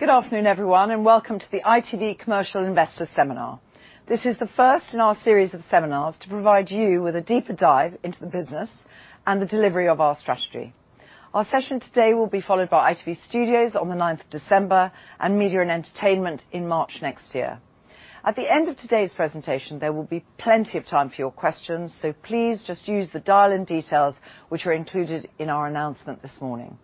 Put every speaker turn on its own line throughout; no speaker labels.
Good afternoon, everyone, and welcome to the ITV Commercial Investor Seminar. This is the first in our series of seminars to provide you with a deeper dive into the business and the delivery of our strategy. Our session today will be followed by ITV Studios on the ninth of December and Media and Entertainment in March next year. At the end of today's presentation, there will be plenty of time for your questions, so please just use the dial-in details which are included in our announcement this morning.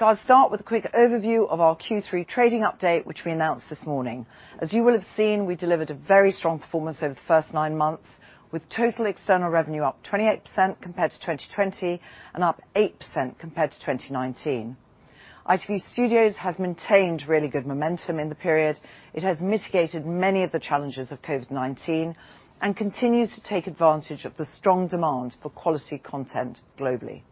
I'll start with a quick overview of our Q3 trading update, which we announced this morning. As you will have seen, we delivered a very strong performance over the first nine months, with total external revenue up 28% compared to 2020, and up 8% compared to 2019. ITV Studios has maintained really good momentum in the period. It has mitigated many of the challenges of COVID-19 and continues to take advantage of the strong demand for quality content globally.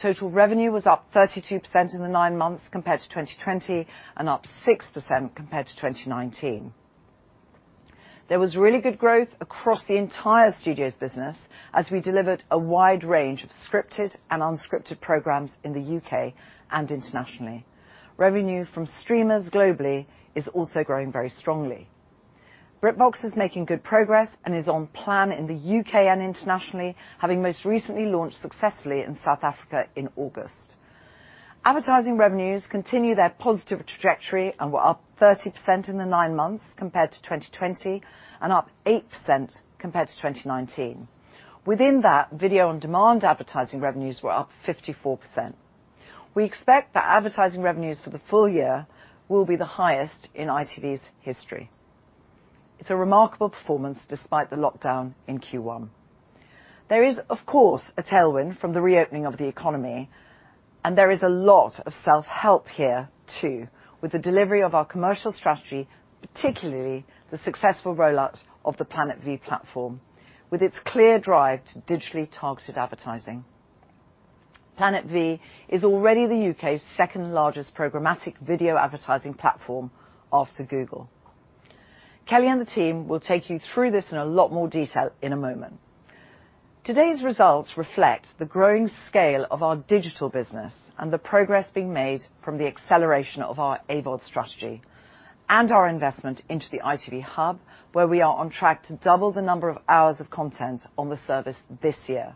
Total revenue was up 32% in the nine months compared to 2020, and up 6% compared to 2019. There was really good growth across the entire studios business as we delivered a wide range of scripted and unscripted programs in the U.K. and internationally. Revenue from streamers globally is also growing very strongly. BritBox is making good progress and is on plan in the U.K. and internationally, having most recently launched successfully in South Africa in August. Advertising revenues continue their positive trajectory and were up 30% in the nine months compared to 2020, and up 8% compared to 2019. Within that, video on demand advertising revenues were up 54%. We expect that advertising revenues for the full year will be the highest in ITV's history. It's a remarkable performance despite the lockdown in Q1. There is, of course, a tailwind from the reopening of the economy, and there is a lot of self-help here too, with the delivery of our commercial strategy, particularly the successful rollout of the Planet V platform, with its clear drive to digitally targeted advertising. Planet V is already the U.K.'s second-largest programmatic video advertising platform after Google. Kelly and the team will take you through this in a lot more detail in a moment. Today's results reflect the growing scale of our digital business and the progress being made from the acceleration of our AVOD strategy and our investment into the ITV Hub, where we are on track to double the number of hours of content on the service this year.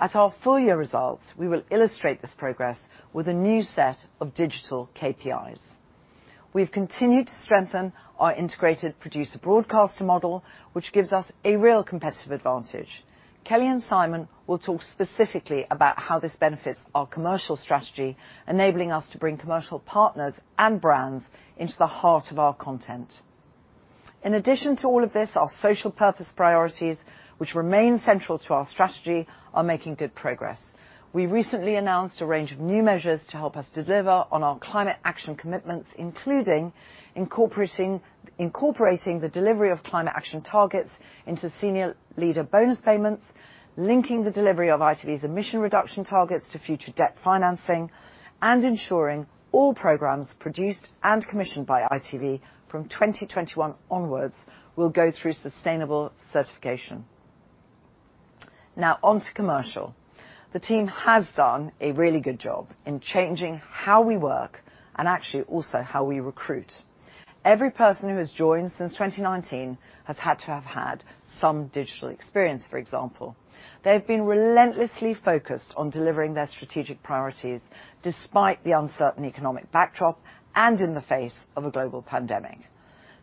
At our full year results, we will illustrate this progress with a new set of digital KPIs. We've continued to strengthen our integrated producer-broadcaster model, which gives us a real competitive advantage. Kelly and Simon will talk specifically about how this benefits our commercial strategy, enabling us to bring commercial partners and brands into the heart of our content. In addition to all of this, our social purpose priorities, which remain central to our strategy, are making good progress. We recently announced a range of new measures to help us deliver on our climate action commitments, including incorporating the delivery of climate action targets into senior leader bonus payments, linking the delivery of ITV's emission reduction targets to future debt financing, and ensuring all programs produced and commissioned by ITV from 2021 onwards will go through sustainable certification. Now, onto commercial. The team has done a really good job in changing how we work and actually also how we recruit. Every person who has joined since 2019 has had to have had some digital experience, for example. They've been relentlessly focused on delivering their strategic priorities despite the uncertain economic backdrop and in the face of a global pandemic.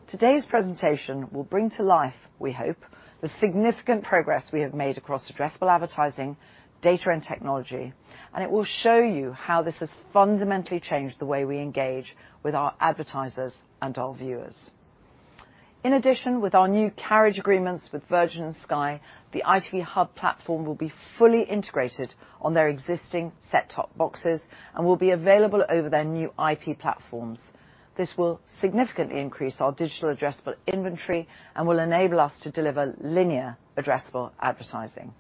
Today's presentation will bring to life, we hope, the significant progress we have made across addressable advertising, data and technology, and it will show you how this has fundamentally changed the way we engage with our advertisers and our viewers. In addition, with our new carriage agreements with Virgin and Sky, the ITV Hub platform will be fully integrated on their existing set-top boxes and will be available over their new IP platforms. This will significantly increase our digital addressable inventory and will enable us to deliver linear addressable advertising.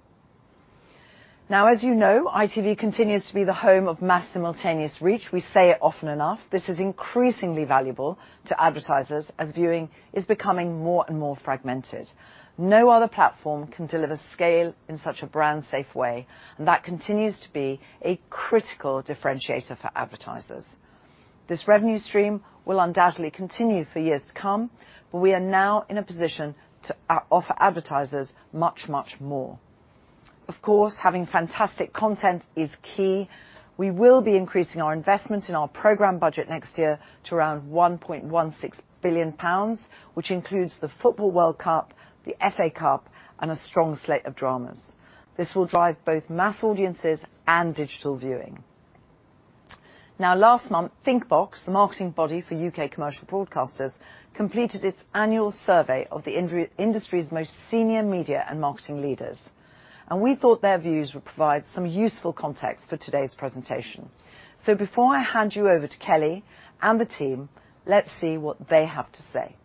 Now, as you know, ITV continues to be the home of mass simultaneous reach. We say it often enough. This is increasingly valuable to advertisers as viewing is becoming more and more fragmented. No other platform can deliver scale in such a brand-safe way, and that continues to be a critical differentiator for advertisers. This revenue stream will undoubtedly continue for years to come, but we are now in a position to offer advertisers much, much more. Of course, having fantastic content is key. We will be increasing our investment in our program budget next year to around 1.16 billion pounds, which includes the FIFA World Cup, the FA Cup, and a strong slate of dramas. This will drive both mass audiences and digital viewing. Now, last month, Thinkbox, the marketing body for U.K. commercial broadcasters, completed its annual survey of the industry's most senior media and marketing leaders, and we thought their views would provide some useful context for today's presentation. Before I hand you over to Kelly and the team, let's see what they have to say.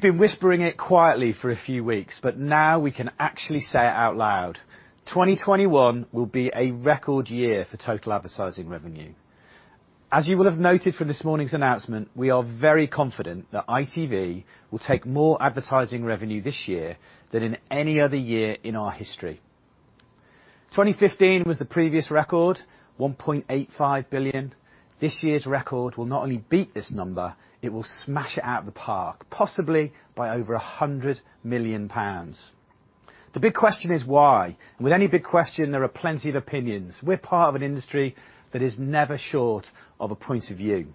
We've been whispering it quietly for a few weeks, but now we can actually say it out loud. 2021 will be a record year for total advertising revenue. As you will have noted from this morning's announcement, we are very confident that ITV will take more advertising revenue this year than in any other year in our history. 2015 was the previous record, 1.85 billion. This year's record will not only beat this number, it will smash it out of the park, possibly by over 100 million pounds. The big question is why. With any big question, there are plenty of opinions. We're part of an industry that is never short of a point of view.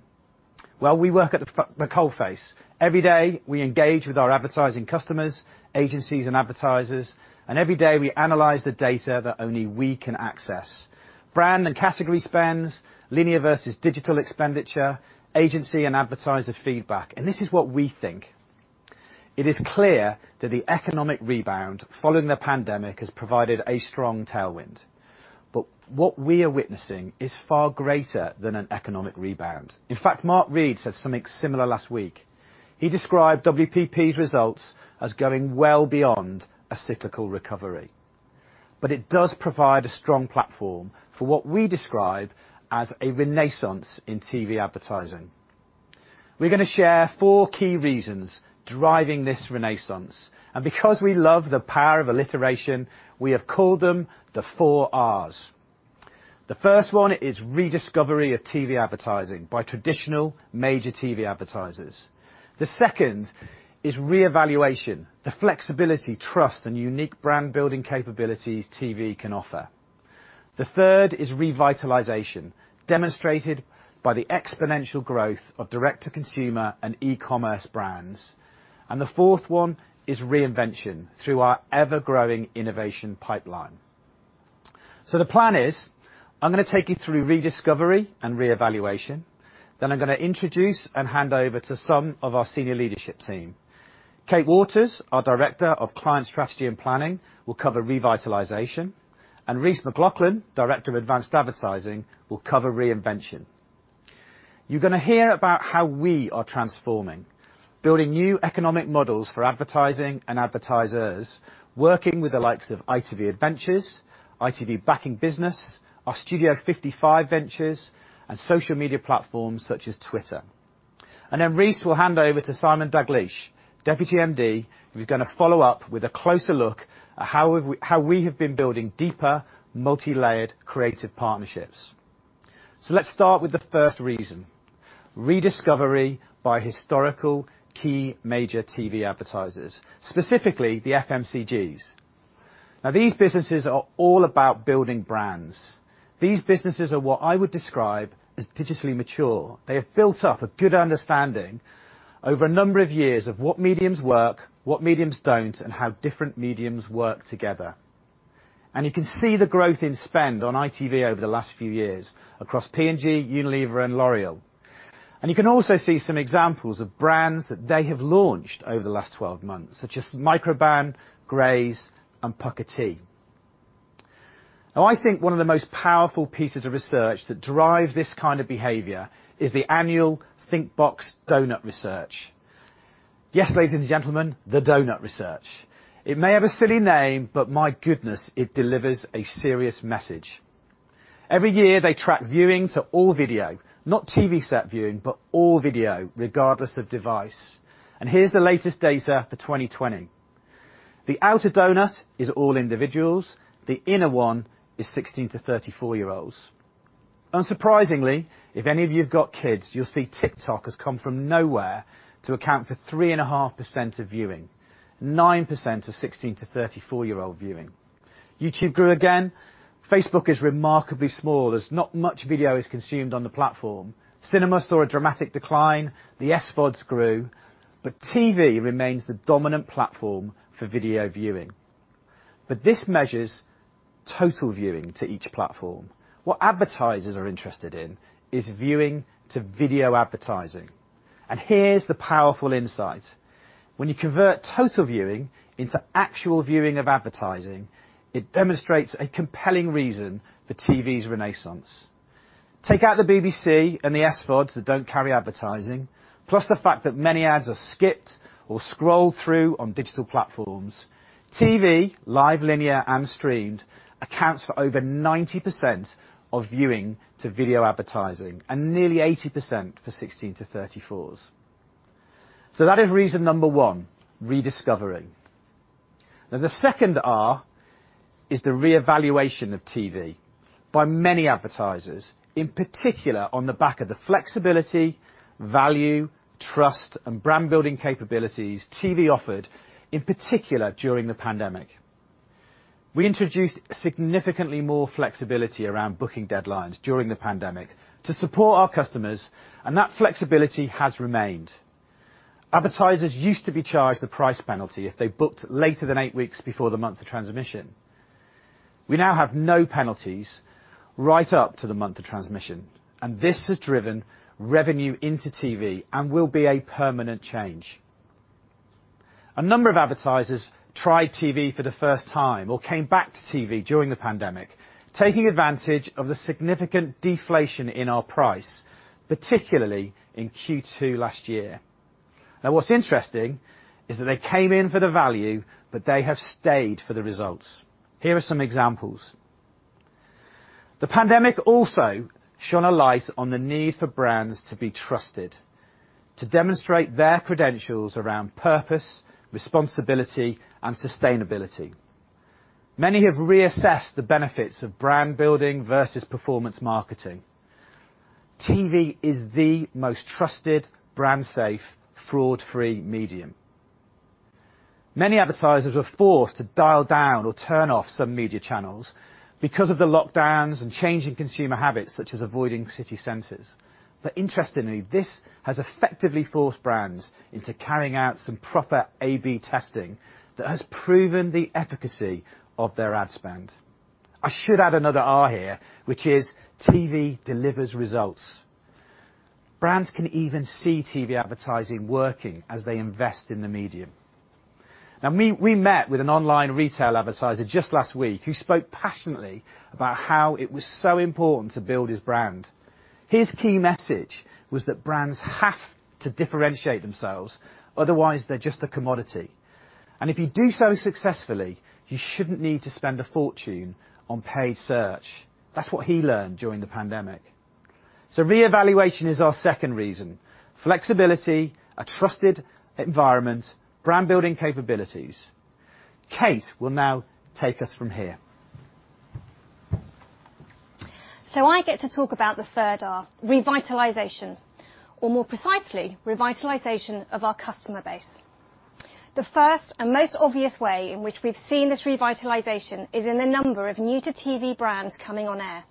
Well, we work at the coal face. Every day, we engage with our advertising customers, agencies, and advertisers, and every day we analyze the data that only we can access. Brand and category spends, linear versus digital expenditure, agency and advertiser feedback, and this is what we think. It is clear that the economic rebound following the pandemic has provided a strong tailwind. What we are witnessing is far greater than an economic rebound. In fact, Mark Read said something similar last week. He described WPP's results as going well beyond a cyclical recovery. It does provide a strong platform for what we describe as a renaissance in TV advertising. We're gonna share four key reasons driving this renaissance, and because we love the power of alliteration, we have called them the four Rs. The first one is rediscovery of TV advertising by traditional major TV advertisers. The second is reevaluation, the flexibility, trust, and unique brand-building capabilities TV can offer. The third is revitalization, demonstrated by the exponential growth of direct-to-consumer and e-commerce brands. The fourth one is reinvention through our ever-growing innovation pipeline. The plan is, I'm gonna take you through rediscovery and reevaluation, then I'm gonna introduce and hand over to some of our senior leadership team. Kate Waters, our Director of Client Strategy and Planning, will cover revitalization, and Rhys McLachlan, Director of Advanced Advertising, will cover reinvention. You're gonna hear about how we are transforming, building new economic models for advertising and advertisers, working with the likes of ITV AdVentures, ITV Backing Business, our Studio 55 Ventures, and social media platforms such as Twitter. Then Rhys will hand over to Simon Daglish, Deputy MD, who's gonna follow up with a closer look at how we have been building deeper, multi-layered creative partnerships. Let's start with the first reason, rediscovery by historical key major TV advertisers, specifically the FMCGs. Now, these businesses are all about building brands. These businesses are what I would describe as digitally mature. They have built up a good understanding over a number of years of what mediums work, what mediums don't, and how different mediums work together. You can see the growth in spend on ITV over the last few years across P&G, Unilever, and L'Oréal. You can also see some examples of brands that they have launched over the last 12 months, such as Microban, Graze, and Pukka Herbs. I think one of the most powerful pieces of research that drives this kind of behavior is the annual Thinkbox Doughnut research. Yes, ladies and gentlemen, the Doughnut research. It may have a silly name, but my goodness, it delivers a serious message. Every year, they track viewing to all video, not TV set viewing, but all video, regardless of device. Here's the latest data for 2020. The outer doughnut is all individuals, the inner one is 16- to 34-year-olds. Unsurprisingly, if any of you have got kids, you'll see TikTok has come from nowhere to account for 3.5% of viewing, 9% of 16- to 34-year-old viewing. YouTube grew again, Facebook is remarkably small as not much video is consumed on the platform. Cinema saw a dramatic decline, the SVODs grew, but TV remains the dominant platform for video viewing. This measures total viewing to each platform. What advertisers are interested in is viewing to video advertising. Here's the powerful insight. When you convert total viewing into actual viewing of advertising, it demonstrates a compelling reason for TV's renaissance. Take out the BBC and the SVODs that don't carry advertising, plus the fact that many ads are skipped or scrolled through on digital platforms. TV, live, linear, and streamed, accounts for over 90% of viewing to video advertising, and nearly 80% for 16 to 34s. That is reason number one, rediscovering. The second R is the reevaluation of TV by many advertisers, in particular on the back of the flexibility, value, trust, and brand building capabilities TV offered in particular during the pandemic. We introduced significantly more flexibility around booking deadlines during the pandemic to support our customers, and that flexibility has remained. Advertisers used to be charged a price penalty if they booked later than eight weeks before the month of transmission. We now have no penalties right up to the month of transmission, and this has driven revenue into TV and will be a permanent change. A number of advertisers tried TV for the first time or came back to TV during the pandemic, taking advantage of the significant deflation in our price, particularly in Q2 last year. Now what's interesting is that they came in for the value, but they have stayed for the results. Here are some examples. The pandemic also shone a light on the need for brands to be trusted, to demonstrate their credentials around purpose, responsibility, and sustainability. Many have reassessed the benefits of brand building versus performance marketing. TV is the most trusted, brand safe, fraud-free medium. Many advertisers were forced to dial down or turn off some media channels because of the lockdowns and change in consumer habits such as avoiding city centers. Interestingly, this has effectively forced brands into carrying out some proper AB testing that has proven the efficacy of their ad spend. I should add another R here, which is TV delivers results. Brands can even see TV advertising working as they invest in the medium. Now we met with an online retail advertiser just last week who spoke passionately about how it was so important to build his brand. His key message was that brands have to differentiate themselves, otherwise they're just a commodity. If you do so successfully, you shouldn't need to spend a fortune on paid search. That's what he learned during the pandemic. Reevaluation is our second reason. Flexibility, a trusted environment, brand building capabilities. Kate will now take us from here.
I get to talk about the third R, revitalization, or more precisely, revitalization of our customer base. The first and most obvious way in which we've seen this revitalization is in the number of new to TV brands coming on air,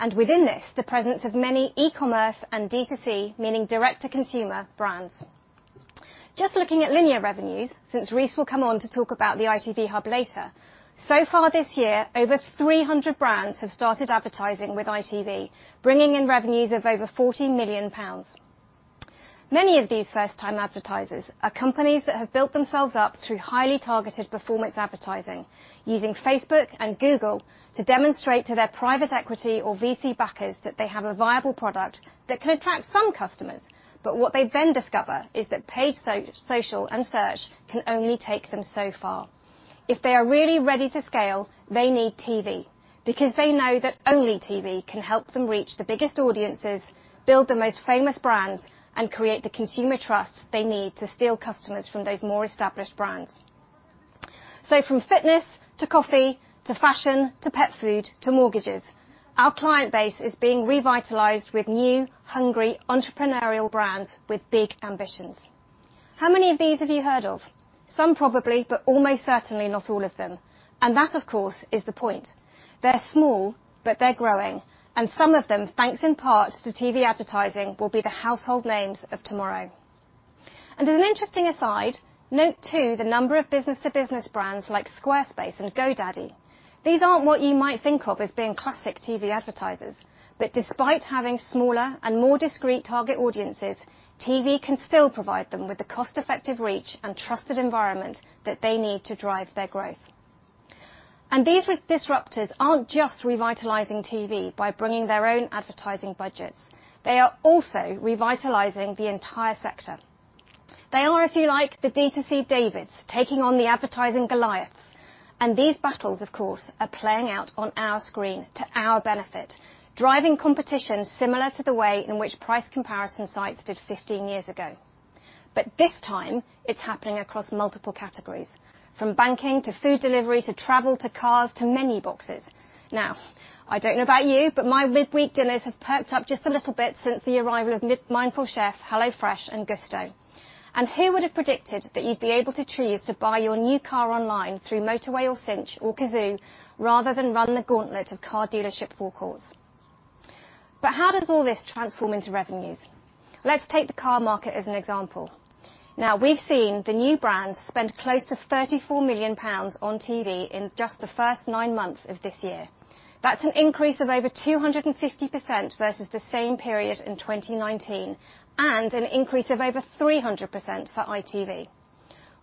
and within this, the presence of many e-commerce and D2C, meaning direct to consumer, brands. Just looking at linear revenues, since Rhys McLachlan will come on to talk about the ITV Hub later, so far this year, over 300 brands have started advertising with ITV, bringing in revenues of over 40 million pounds. Many of these first-time advertisers are companies that have built themselves up through highly targeted performance advertising, using Facebook and Google to demonstrate to their private equity or VC backers that they have a viable product that can attract some customers. What they then discover is that paid social and search can only take them so far. If they are really ready to scale, they need TV, because they know that only TV can help them reach the biggest audiences, build the most famous brands, and create the consumer trust they need to steal customers from those more established brands. From fitness to coffee to fashion to pet food to mortgages, our client base is being revitalized with new, hungry entrepreneurial brands with big ambitions. How many of these have you heard of? Some probably, but almost certainly not all of them. That, of course, is the point. They're small, but they're growing. Some of them, thanks in part to TV advertising, will be the household names of tomorrow. As an interesting aside, note too the number of business-to-business brands like Squarespace and GoDaddy. These aren't what you might think of as being classic TV advertisers. Despite having smaller and more discreet target audiences, TV can still provide them with the cost-effective reach and trusted environment that they need to drive their growth. These disruptors aren't just revitalizing TV by bringing their own advertising budgets. They are also revitalizing the entire sector. They are, if you like, the D2C Davids taking on the advertising Goliaths. These battles, of course, are playing out on our screen to our benefit, driving competition similar to the way in which price comparison sites did 15 years ago. This time, it's happening across multiple categories, from banking to food delivery to travel to cars to menu boxes. Now, I don't know about you, but my midweek dinners have perked up just a little bit since the arrival of Mindful Chef, HelloFresh, and Gousto. Who would have predicted that you'd be able to choose to buy your new car online through Motorway or cinch or Cazoo rather than run the gauntlet of car dealership forecourts? How does all this transform into revenues? Let's take the car market as an example. Now, we've seen the new brands spend close to 34 million pounds on TV in just the first nine months of this year. That's an increase of over 250% versus the same period in 2019, and an increase of over 300% for ITV.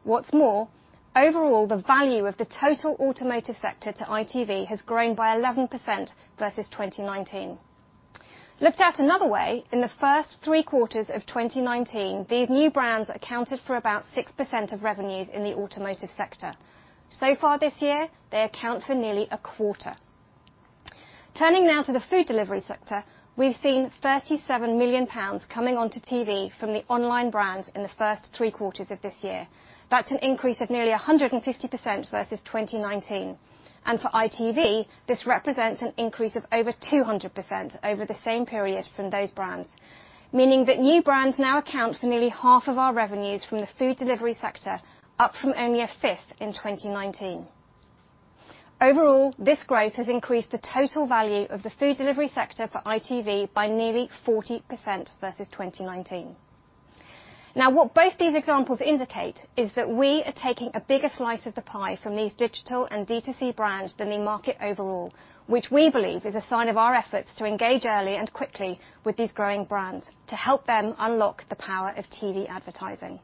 What's more, overall the value of the total automotive sector to ITV has grown by 11% versus 2019. Looked at another way, in the first three quarters of 2019, these new brands accounted for about 6% of revenues in the automotive sector. Far this year, they account for nearly a quarter. Turning now to the food delivery sector, we've seen 37 million pounds coming onto TV from the online brands in the first three quarters of this year. That's an increase of nearly 150% versus 2019. For ITV, this represents an increase of over 200% over the same period from those brands, meaning that new brands now account for nearly half of our revenues from the food delivery sector, up from only a fifth in 2019. Overall, this growth has increased the total value of the food delivery sector for ITV by nearly 40% versus 2019. Now, what both these examples indicate is that we are taking a bigger slice of the pie from these digital and D2C brands than the market overall, which we believe is a sign of our efforts to engage early and quickly with these growing brands to help them unlock the power of TV advertising.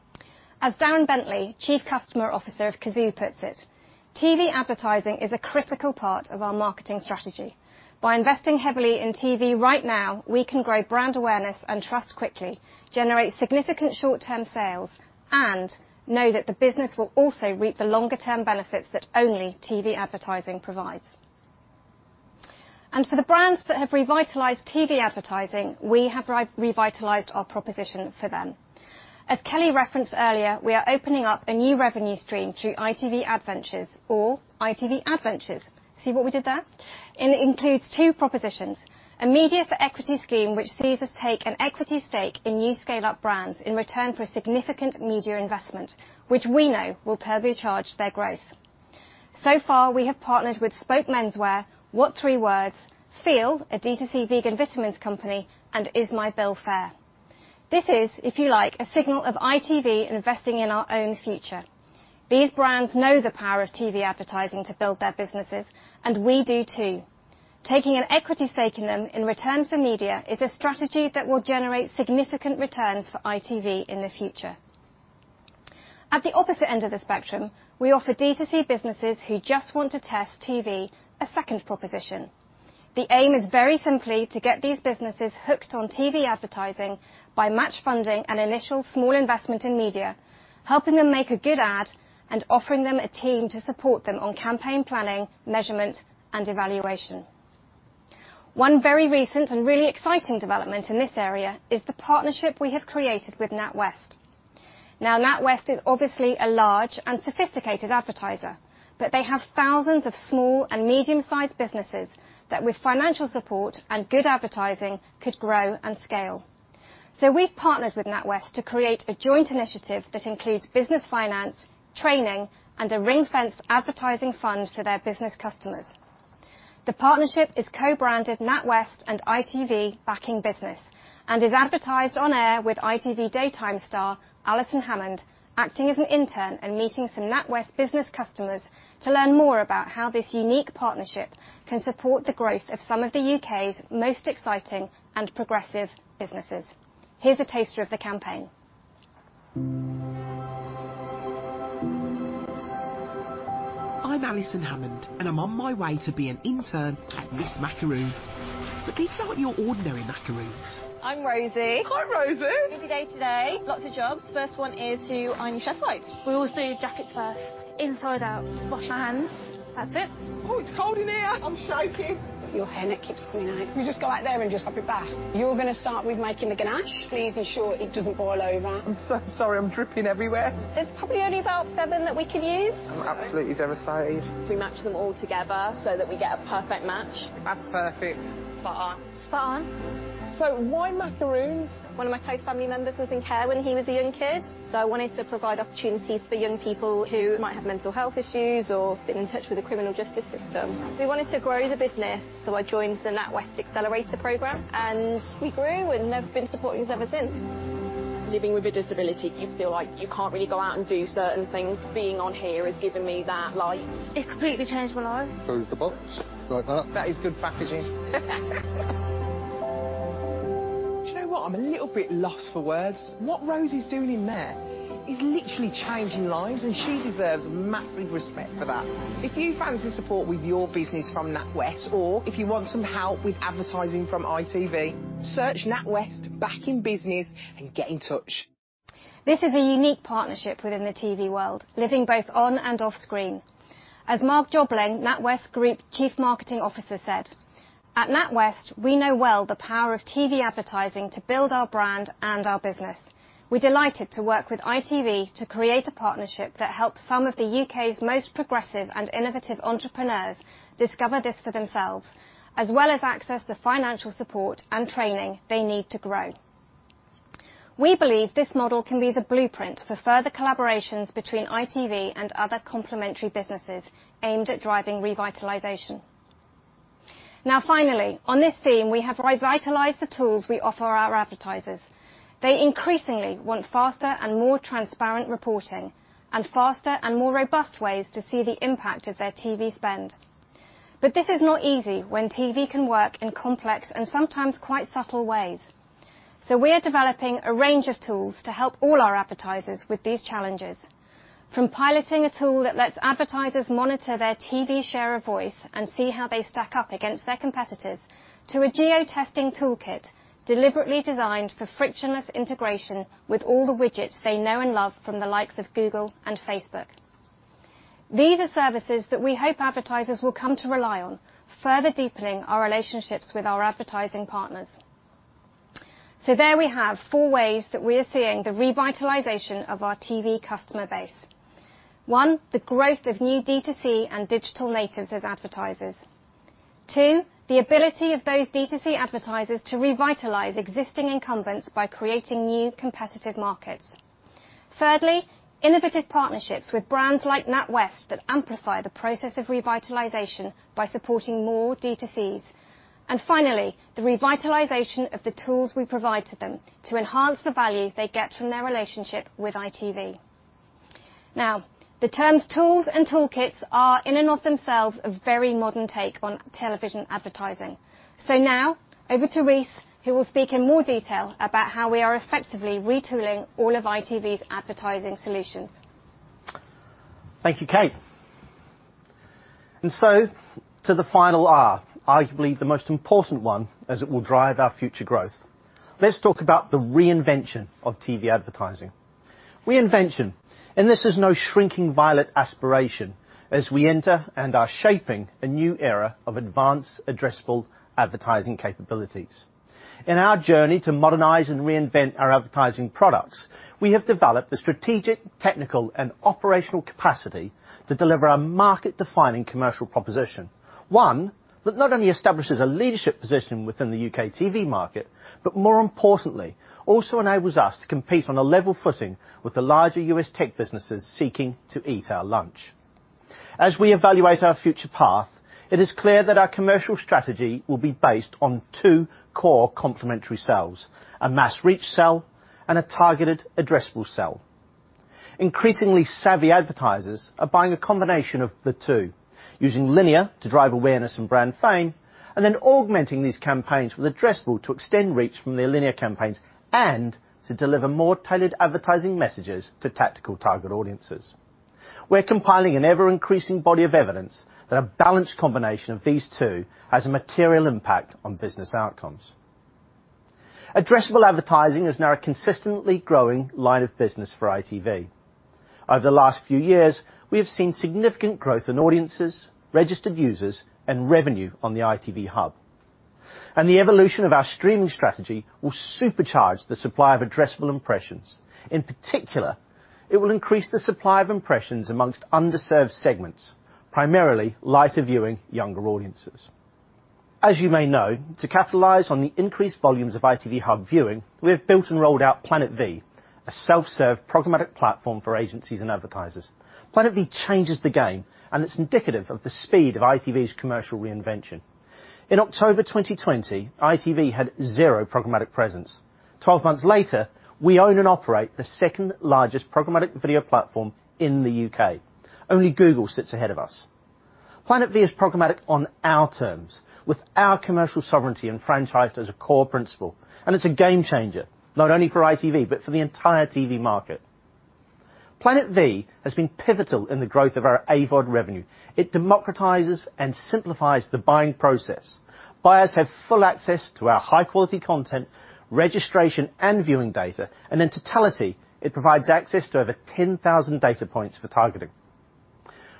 As Darren Bentley, Chief Customer Officer of Cazoo, puts it, "TV advertising is a critical part of our marketing strategy. By investing heavily in TV right now, we can grow brand awareness and trust quickly, generate significant short-term sales, and know that the business will also reap the longer term benefits that only TV advertising provides." For the brands that have revitalized TV advertising, we have revitalized our proposition for them. As Kelly referenced earlier, we are opening up a new revenue stream through ITV AdVentures. See what we did there? It includes two propositions, a media for equity scheme which sees us take an equity stake in new scale-up brands in return for significant media investment, which we know will turbocharge their growth. Far, we have partnered with SPOKE, what3words, Feel, a D2C vegan vitamins company, and ismybillfair. This is, if you like, a signal of ITV investing in our own future. These brands know the power of TV advertising to build their businesses, and we do too. Taking an equity stake in them in return for media is a strategy that will generate significant returns for ITV in the future. At the opposite end of the spectrum, we offer D2C businesses who just want to test TV a second proposition. The aim is very simply to get these businesses hooked on TV advertising by match funding an initial small investment in media, helping them make a good ad, and offering them a team to support them on campaign planning, measurement, and evaluation. One very recent and really exciting development in this area is the partnership we have created with NatWest. Now, NatWest is obviously a large and sophisticated advertiser, but they have thousands of small and medium-sized businesses that with financial support and good advertising could grow and scale. We've partnered with NatWest to create a joint initiative that includes business finance, training, and a ring-fenced advertising fund for their business customers. The partnership is co-branded NatWest and ITV Backing Business and is advertised on air with ITV daytime star Alison Hammond acting as an intern and meeting some NatWest business customers to learn more about how this unique partnership can support the growth of some of the U.K.'s most exciting and progressive businesses. Here's a taster of the campaign.
I'm Alison Hammond, and I'm on my way to be an intern at Miss Macaroon. These aren't your ordinary macaroons.
I'm Rosie.
Hi, Rosie.
Busy day today. Lots of jobs. First one is to iron your chef whites. We always do jacket first, inside out. Wash your hands. That's it.
Ooh, it's cold in here. I'm shaking.
Your hairnet keeps coming out.
You just go out there and just hop it back.
You're gonna start with making the ganache. Please ensure it doesn't boil over.
I'm so sorry. I'm dripping everywhere.
There's probably only about seven that we can use.
I'm absolutely devastated.
We match them all together so that we get a perfect match.
That's perfect.
Spot on.
Why macaroons?
One of my close family members was in care when he was a young kid, so I wanted to provide opportunities for young people who might have mental health issues or been in touch with the criminal justice system. We wanted to grow the business, so I joined the NatWest Accelerator program, and we grew, and they've been supporting us ever since.
Living with a disability, you feel like you can't really go out and do certain things. Being on here has given me that light.
It's completely changed my life.
Close the box, like that.
That is good packaging. Do you know what? I'm a little bit lost for words. What Rosie's doing in there is literally changing lives, and she deserves massive respect for that. If you fancy support with your business from NatWest, or if you want some help with advertising from ITV, search NatWest Back in Business and get in touch.
This is a unique partnership within the TV world, living both on and off screen. As Margaret Jobling, NatWest Group Chief Marketing Officer said, "At NatWest, we know well the power of TV advertising to build our brand and our business. We're delighted to work with ITV to create a partnership that helps some of the U.K.'s most progressive and innovative entrepreneurs discover this for themselves, as well as access the financial support and training they need to grow." We believe this model can be the blueprint for further collaborations between ITV and other complementary businesses aimed at driving revitalization. Now finally, on this theme, we have revitalized the tools we offer our advertisers. They increasingly want faster and more transparent reporting and faster and more robust ways to see the impact of their TV spend. This is not easy when TV can work in complex and sometimes quite subtle ways. We are developing a range of tools to help all our advertisers with these challenges, from piloting a tool that lets advertisers monitor their TV share of voice and see how they stack up against their competitors, to a geo-testing toolkit deliberately designed for frictionless integration with all the widgets they know and love from the likes of Google and Facebook. These are services that we hope advertisers will come to rely on, further deepening our relationships with our advertising partners. There we have four ways that we are seeing the revitalization of our TV customer base. One, the growth of new D2C and digital natives as advertisers. Two, the ability of those D2C advertisers to revitalize existing incumbents by creating new competitive markets. Thirdly, innovative partnerships with brands like NatWest that amplify the process of revitalization by supporting more D2Cs. Finally, the revitalization of the tools we provide to them to enhance the value they get from their relationship with ITV. Now, the terms tools and toolkits are in and of themselves a very modern take on television advertising. Now over to Rhys McLachlan, who will speak in more detail about how we are effectively retooling all of ITV's advertising solutions.
Thank you, Kate. To the final R, arguably the most important one as it will drive our future growth. Let's talk about the reinvention of TV advertising. Reinvention, and this is no shrinking violet aspiration as we enter and are shaping a new era of advanced addressable advertising capabilities. In our journey to modernize and reinvent our advertising products, we have developed the strategic, technical, and operational capacity to deliver a market-defining commercial proposition, one that not only establishes a leadership position within the U.K. TV market, but more importantly, also enables us to compete on a level footing with the larger U.S. tech businesses seeking to eat our lunch. As we evaluate our future path, it is clear that our commercial strategy will be based on two core complementary cells, a mass reach cell and a targeted addressable cell. Increasingly savvy advertisers are buying a combination of the two, using linear to drive awareness and brand fame, and then augmenting these campaigns with addressable to extend reach from their linear campaigns, and to deliver more tailored advertising messages to tactical target audiences. We're compiling an ever-increasing body of evidence that a balanced combination of these two has a material impact on business outcomes. Addressable advertising is now a consistently growing line of business for ITV. Over the last few years, we have seen significant growth in audiences, registered users, and revenue on the ITV Hub. The evolution of our streaming strategy will supercharge the supply of addressable impressions. In particular, it will increase the supply of impressions among underserved segments, primarily lighter viewing younger audiences. As you may know, to capitalize on the increased volumes of ITV Hub viewing, we have built and rolled out Planet V, a self-serve programmatic platform for agencies and advertisers. Planet V changes the game, and it's indicative of the speed of ITV's commercial reinvention. In October 2020, ITV had zero programmatic presence. Twelve months later, we own and operate the second-largest programmatic video platform in the U.K. Only Google sits ahead of us. Planet V is programmatic on our terms with our commercial sovereignty and franchise as a core principle, and it's a game changer, not only for ITV, but for the entire TV market. Planet V has been pivotal in the growth of our AVOD revenue. It democratizes and simplifies the buying process. Buyers have full access to our high-quality content, registration and viewing data, and in totality, it provides access to over 10,000 data points for targeting.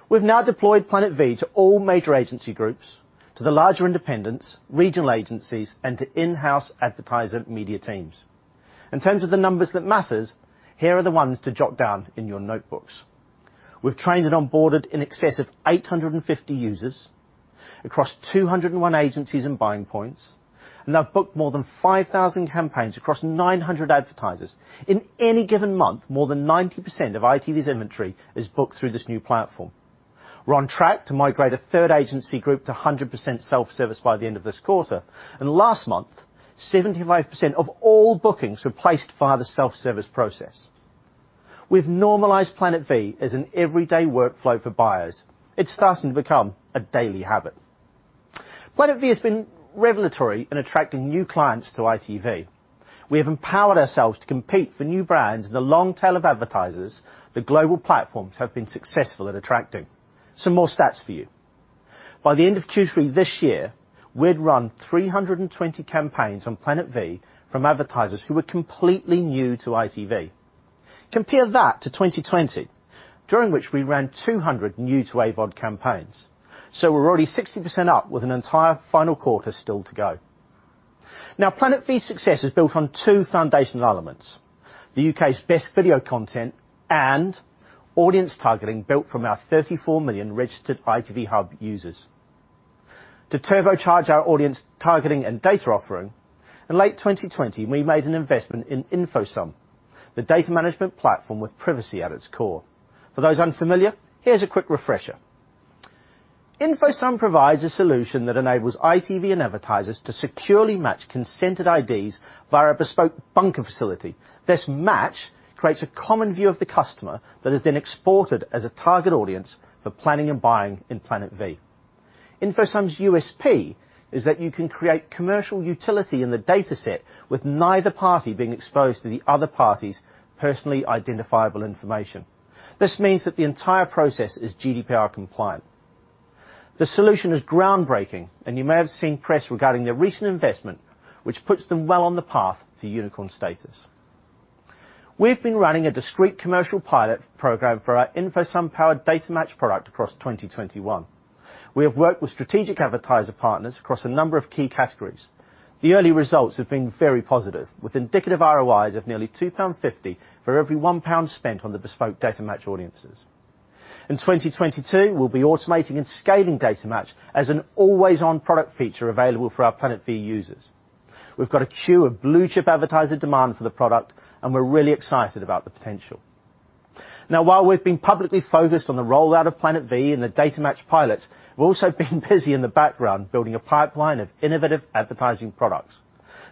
We've now deployed Planet V to all major agency groups, to the larger independents, regional agencies, and to in-house advertiser media teams. In terms of the numbers that matters, here are the ones to jot down in your notebooks. We've trained and onboarded in excess of 850 users across 201 agencies and buying points, and have booked more than 5,000 campaigns across 900 advertisers. In any given month, more than 90% of ITV's inventory is booked through this new platform. We're on track to migrate a third agency group to 100% self-service by the end of this quarter, and last month, 75% of all bookings were placed via the self-service process. We've normalized Planet V as an everyday workflow for buyers. It's starting to become a daily habit. Planet V has been revelatory in attracting new clients to ITV. We have empowered ourselves to compete for new brands in the long tail of advertisers the global platforms have been successful at attracting. Some more stats for you. By the end of Q3 this year, we'd run 320 campaigns on Planet V from advertisers who were completely new to ITV. Compare that to 2020, during which we ran 200 new to AVOD campaigns. We're already 60% up with an entire final quarter still to go. Now, Planet V's success is built on two foundational elements. The U.K.'s best video content and audience targeting built from our 34 million registered ITV Hub users. To turbocharge our audience-targeting and data offering, in late 2020, we made an investment in InfoSum, the data management platform with privacy at its core. For those unfamiliar, here's a quick refresher. InfoSum provides a solution that enables ITV and advertisers to securely match consented IDs via a bespoke bunker facility. This match creates a common view of the customer that is then exported as a target audience for planning and buying in Planet V. InfoSum's USP is that you can create commercial utility in the dataset, with neither party being exposed to the other party's personally identifiable information. This means that the entire process is GDPR compliant. The solution is groundbreaking, and you may have seen press regarding their recent investment, which puts them well on the path to unicorn status. We've been running a discrete commercial pilot program for our InfoSum-powered data match product across 2021. We have worked with strategic advertiser partners across a number of key categories. The early results have been very positive, with indicative ROIs of nearly 2.50 pound for every 1 pound spent on the bespoke data match audiences. In 2022, we'll be automating and scaling data match as an always-on product feature available for our Planet V users. We've got a queue of blue-chip advertiser demand for the product, and we're really excited about the potential. Now, while we've been publicly focused on the rollout of Planet V and the data match pilots, we've also been busy in the background building a pipeline of innovative advertising products.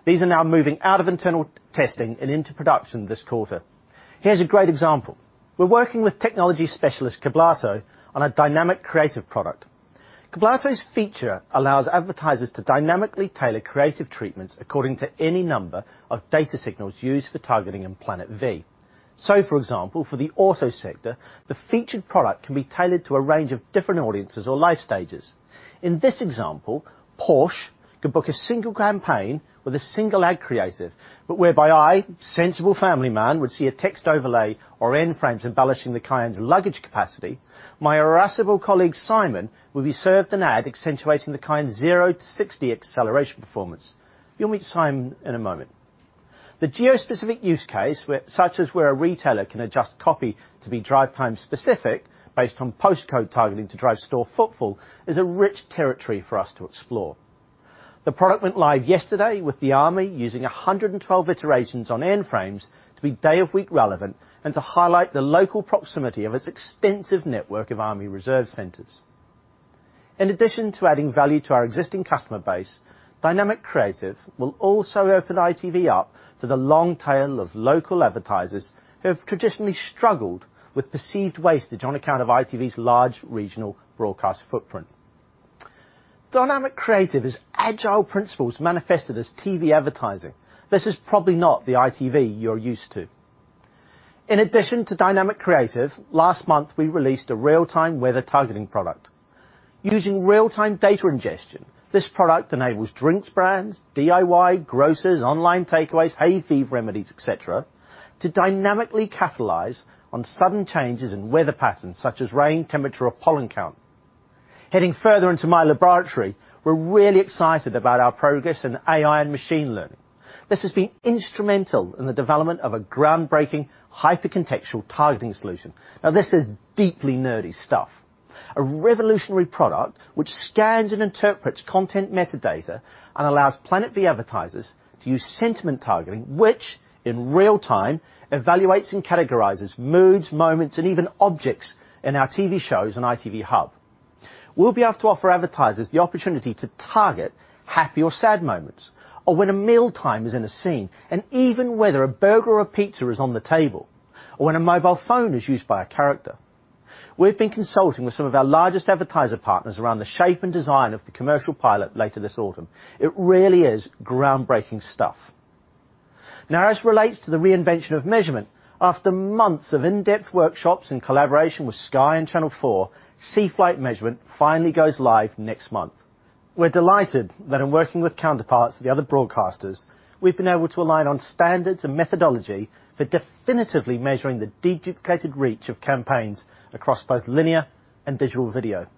These are now moving out of internal testing and into production this quarter. Here's a great example. We're working with technology specialist, Cablato, on a dynamic creative product. Cablato's feature allows advertisers to dynamically tailor creative treatments according to any number of data signals used for targeting in Planet V. For example, for the auto sector, the featured product can be tailored to a range of different audiences or life stages. In this example, Porsche could book a single campaign with a single ad creative, but whereby I, sensible family man, would see a text overlay or end frames embellishing the Cayenne's luggage capacity. My irascible colleague, Simon, will be served an ad accentuating the Cayenne's 0-60 acceleration performance. You'll meet Simon in a moment. The geo-specific use case such as where a retailer can adjust copy to be drive-time specific based on postcode targeting to drive store footfall, is a rich territory for us to explore. The product went live yesterday with the Army using 112 iterations on end frames to be day-of-week relevant and to highlight the local proximity of its extensive network of Army reserve centers. In addition to adding value to our existing customer base, Dynamic Creative will also open ITV up to the long tail of local advertisers who have traditionally struggled with perceived wastage on account of ITV's large regional broadcast footprint. Dynamic Creative's agile principles manifested as TV advertising. This is probably not the ITV you're used to. In addition to Dynamic Creative, last month we released a real-time weather targeting product. Using real-time data ingestion, this product enables drinks brands, DIY, grocers, online takeaways, hay fever remedies, et cetera, to dynamically capitalize on sudden changes in weather patterns such as rain, temperature, or pollen count. Heading further into my laboratory, we're really excited about our progress in AI and machine learning. This has been instrumental in the development of a groundbreaking hyper-contextual targeting solution. Now, this is deeply nerdy stuff. A revolutionary product which scans and interprets content metadata and allows Planet V advertisers to use sentiment targeting, which in real time evaluates and categorizes moods, moments, and even objects in our TV shows on ITV Hub. We'll be able to offer advertisers the opportunity to target happy or sad moments, or when a mealtime is in a scene, and even whether a burger or pizza is on the table, or when a mobile phone is used by a character. We've been consulting with some of our largest advertiser partners around the shape and design of the commercial pilot later this autumn. It really is groundbreaking stuff. Now as it relates to the reinvention of measurement, after months of in-depth workshops in collaboration with Sky and Channel 4, CFlight measurement finally goes live next month. We're delighted that in working with counterparts of the other broadcasters, we've been able to align on standards and methodology for definitively measuring the dedicated reach of campaigns across both linear and digital video.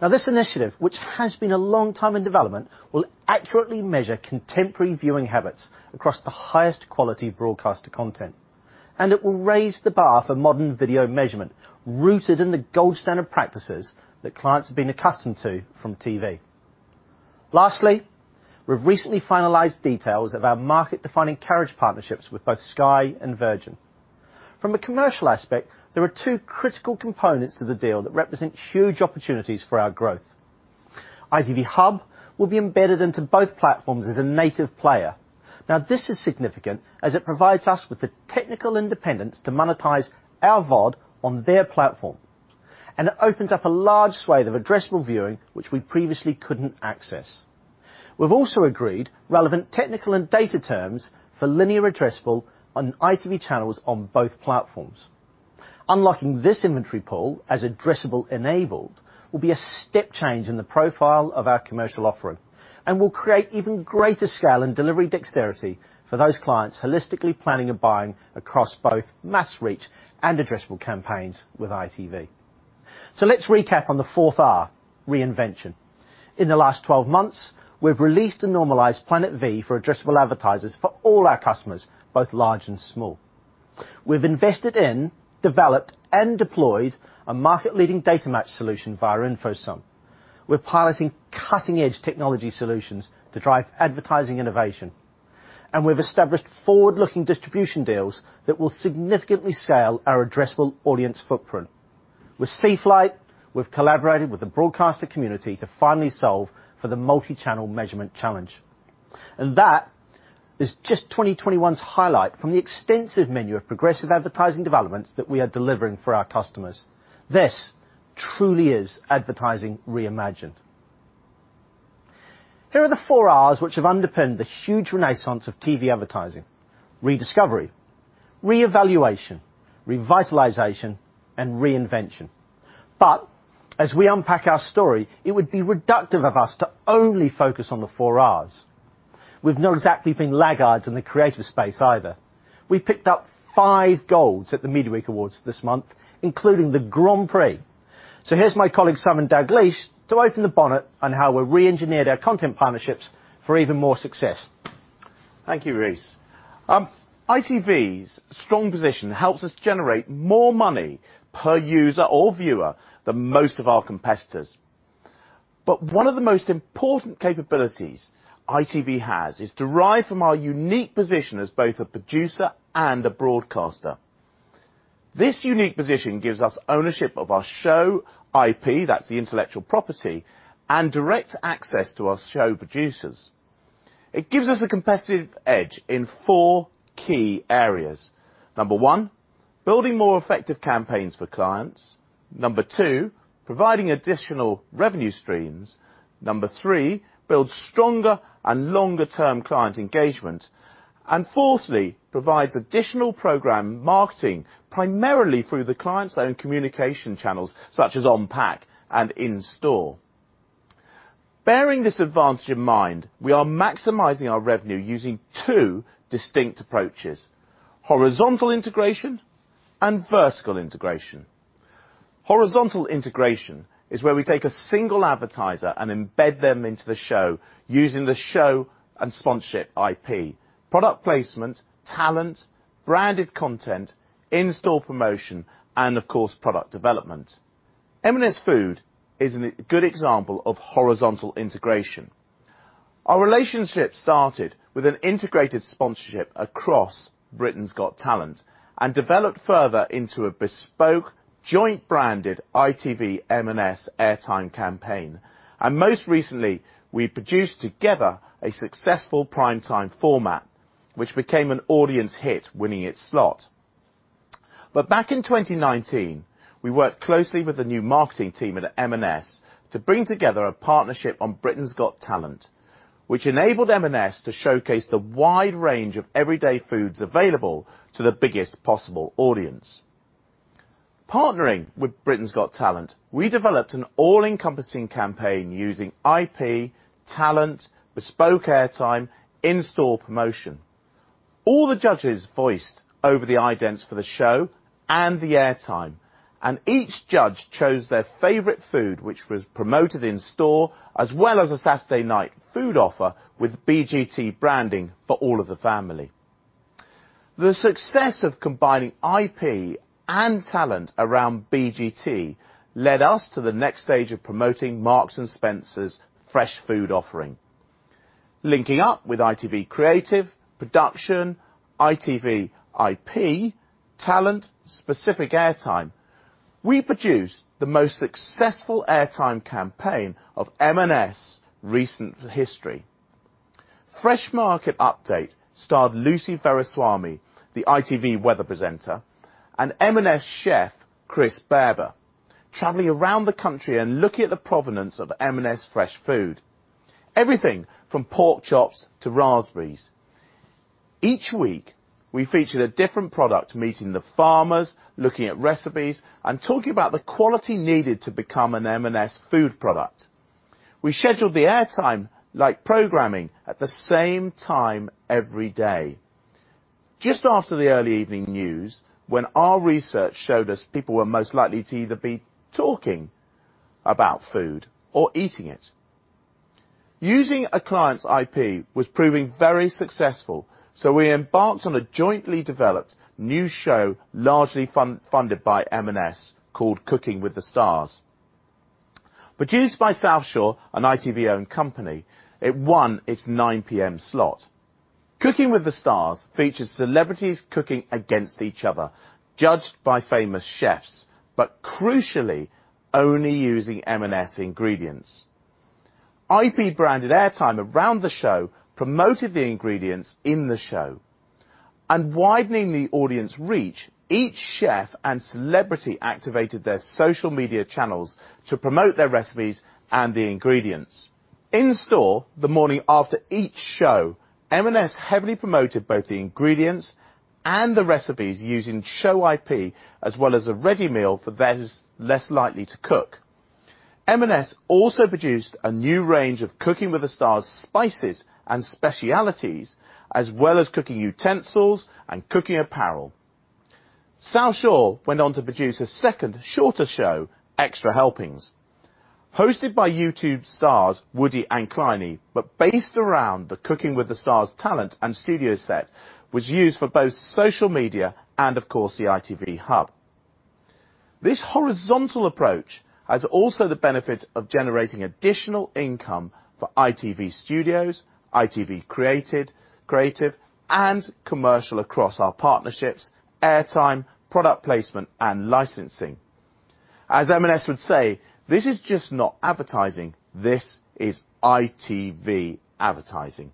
Now this initiative, which has been a long time in development, will accurately measure contemporary viewing habits across the highest quality broadcaster content, and it will raise the bar for modern video measurement rooted in the gold standard practices that clients have been accustomed to from TV. Lastly, we've recently finalized details of our market-defining carriage partnerships with both Sky and Virgin. From a commercial aspect, there are two critical components to the deal that represent huge opportunities for our growth. ITV Hub will be embedded into both platforms as a native player. Now, this is significant as it provides us with the technical independence to monetize our VOD on their platform, and it opens up a large swathe of addressable viewing which we previously couldn't access. We've also agreed relevant technical and data terms for linear addressable on ITV channels on both platforms. Unlocking this inventory pool as addressable enabled will be a step change in the profile of our commercial offering, and will create even greater scale and delivery dexterity for those clients holistically planning and buying across both mass reach and addressable campaigns with ITV. Let's recap on the fourth R, reinvention. In the last 12 months, we've released and normalized Planet V for addressable advertisers for all our customers, both large and small. We've invested in, developed and deployed a market-leading data match solution via InfoSum. We're piloting cutting-edge technology solutions to drive advertising innovation, and we've established forward-looking distribution deals that will significantly scale our addressable audience footprint. With CFlight, we've collaborated with the broadcaster community to finally solve for the multi-channel measurement challenge. That is just 2021's highlight from the extensive menu of progressive advertising developments that we are delivering for our customers. This truly is advertising reimagined. Here are the four Rs which have underpinned the huge renaissance of TV advertising: rediscovery, re-evaluation, revitalization, and reinvention. As we unpack our story, it would be reductive of us to only focus on the four Rs. We've not exactly been laggards in the creative space either. We picked up five golds at the Media Week Awards this month, including the Grand Prix. Here's my colleague, Simon Daglish, to open the bonnet on how we re-engineered our content partnerships for even more success.
Thank you, Rhys. ITV's strong position helps us generate more money per user or viewer than most of our competitors. One of the most important capabilities ITV has is derived from our unique position as both a producer and a broadcaster. This unique position gives us ownership of our show IP, that's the intellectual property, and direct access to our show producers. It gives us a competitive edge in four key areas. Number one, building more effective campaigns for clients. Number two, providing additional revenue streams. Number three, build stronger and longer-term client engagement. And fourthly, provides additional program marketing primarily through the client's own communication channels, such as on-pack and in-store. Bearing this advantage in mind, we are maximizing our revenue using two distinct approaches, horizontal integration and vertical integration. Horizontal integration is where we take a single advertiser and embed them into the show using the show and sponsorship IP, product placement, talent, branded content, in-store promotion, and of course, product development. M&S Food is a good example of horizontal integration. Our relationship started with an integrated sponsorship across Britain's Got Talent, and developed further into a bespoke joint-branded ITV M&S airtime campaign. Most recently, we produced together a successful prime-time format, which became an audience hit, winning its slot. Back in 2019, we worked closely with the new marketing team at M&S to bring together a partnership on Britain's Got Talent, which enabled M&S to showcase the wide range of everyday foods available to the biggest possible audience. Partnering with Britain's Got Talent, we developed an all-encompassing campaign using IP, talent, bespoke airtime, in-store promotion. All the judges voiced over the idents for the show and the airtime, and each judge chose their favorite food, which was promoted in store, as well as a Saturday night food offer with BGT branding for all of the family. The success of combining IP and talent around BGT led us to the next stage of promoting Marks & Spencer's fresh food offering. Linking up with ITV Creative, Production, ITV IP, talent, specific airtime, we produced the most successful airtime campaign of M&S recent history. Fresh Market Update starred Lucy Verasamy, the ITV weather presenter, and M&S chef, Chris Baber, traveling around the country and looking at the provenance of M&S fresh food, everything from pork chops to raspberries. Each week, we featured a different product, meeting the farmers, looking at recipes, and talking about the quality needed to become an M&S food product. We scheduled the airtime like programming at the same time every day. Just after the early evening news, when our research showed us people were most likely to either be talking about food or eating it. Using a client's IP was proving very successful, so we embarked on a jointly developed new show, largely funded by M&S, called Cooking with the Stars. Produced by South Shore, an ITV-owned company, it won its 9 P.M. slot. Cooking with the Stars features celebrities cooking against each other, judged by famous chefs, but crucially, only using M&S ingredients. IP-branded airtime around the show promoted the ingredients in the show, and widening the audience reach, each chef and celebrity activated their social media channels to promote their recipes and the ingredients. In store, the morning after each show, M&S heavily promoted both the ingredients and the recipes using show IP, as well as a ready meal for those less likely to cook. M&S also produced a new range of Cooking With The Stars spices and specialties, as well as cooking utensils and cooking apparel. South Shore went on to produce a second shorter show, Extra Helpings, hosted by YouTube stars Woody and Kleiny but based around the Cooking With The Stars talent and studio set. It was used for both social media and, of course, the ITV Hub. This horizontal approach has also the benefit of generating additional income for ITV Studios, ITV Creative, and Commercial across our partnerships, airtime, product placement, and licensing. As M&S would say, this is not just advertising, this is ITV advertising.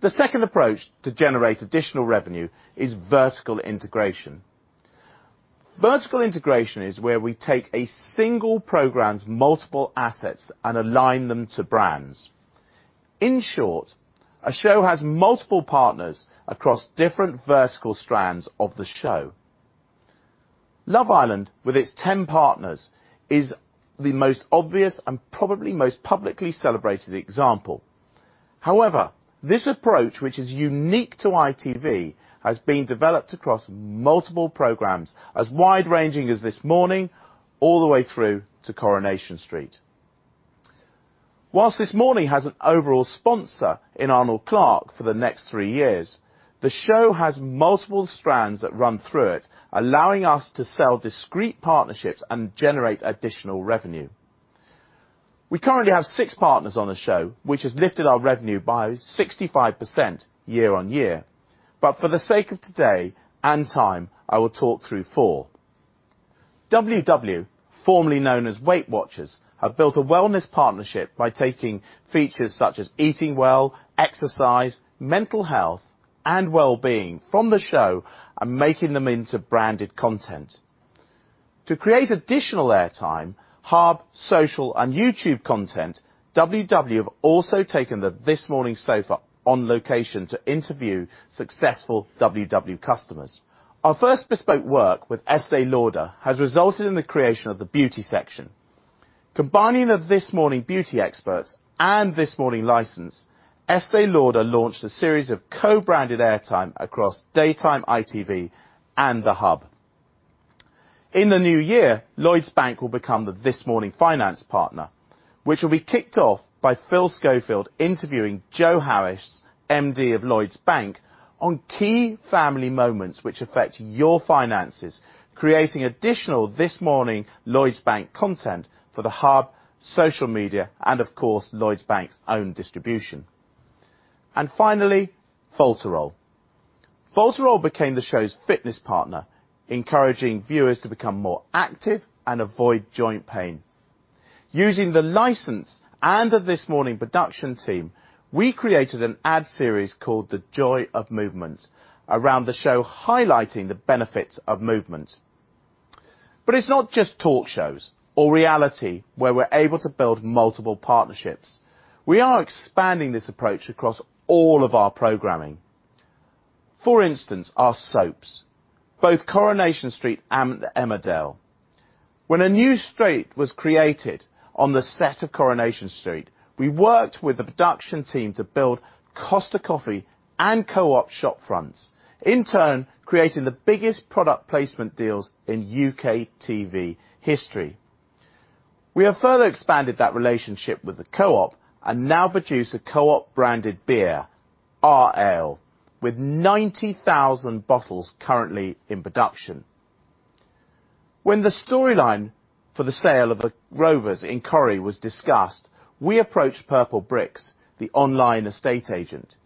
The second approach to generate additional revenue is vertical integration. Vertical integration is where we take a single program's multiple assets and align them to brands. In short, a show has multiple partners across different vertical strands of the show. Love Island, with its 10 partners, is the most obvious and probably most publicly celebrated example. However, this approach, which is unique to ITV, has been developed across multiple programs as wide-ranging as This Morning all the way through to Coronation Street. While This Morning has an overall sponsor in Arnold Clark for the next three years, the show has multiple strands that run through it, allowing us to sell discrete partnerships and generate additional revenue. We currently have six partners on the show, which has lifted our revenue by 65% year-over-year. For the sake of today and time, I will talk through four. WW, formerly known as Weight Watchers, have built a wellness partnership by taking features such as eating well, exercise, mental health, and well-being from the show and making them into branded content. To create additional airtime, hub, social, and YouTube content, WW have also taken the This Morning sofa on location to interview successful WW customers. Our first bespoke work with Estée Lauder has resulted in the creation of the beauty section. Combining the This Morning beauty experts and This Morning license, Estée Lauder launched a series of co-branded airtime across daytime ITV and the hub. In the new year, Lloyds Bank will become the This Morning finance partner, which will be kicked off by Phil Schofield interviewing Jo Harris, MD of Lloyds Bank, on key family moments which affect your finances, creating additional This Morning Lloyds Bank content for the hub, social media, and of course, Lloyds Bank's own distribution. Finally, Voltarol. Voltarol became the show's fitness partner, encouraging viewers to become more active and avoid joint pain. Using the license and the This Morning production team, we created an ad series called The Joy of Movement around the show highlighting the benefits of movement. It's not just talk shows or reality where we're able to build multiple partnerships. We are expanding this approach across all of our programming. For instance, our soaps, both Coronation Street and Emmerdale. When a new street was created on the set of Coronation Street, we worked with the production team to build Costa Coffee and Co-op shop fronts, in turn creating the biggest product placement deals in UK TV history. We have further expanded that relationship with the Co-op and now produce a Co-op branded beer, R Ale, with 90,000 bottles currently in production. When the storyline for the sale of The Rovers in Corrie was discussed, we approached Purplebricks, the online estate agent.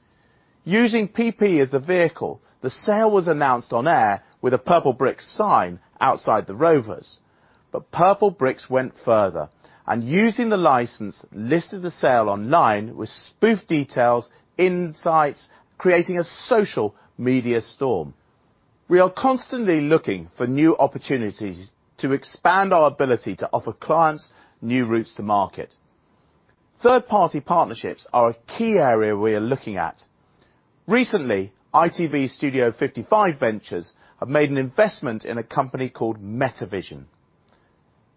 Using PB as the vehicle, the sale was announced on air with a Purplebricks sign outside The Rovers. Purplebricks went further, and using the license, listed the sale online with spoof details in sites, creating a social media storm. We are constantly looking for new opportunities to expand our ability to offer clients new routes to market. Third-party partnerships are a key area we are looking at. Recently, ITV's Studio 55 Ventures have made an investment in a company called Metavision.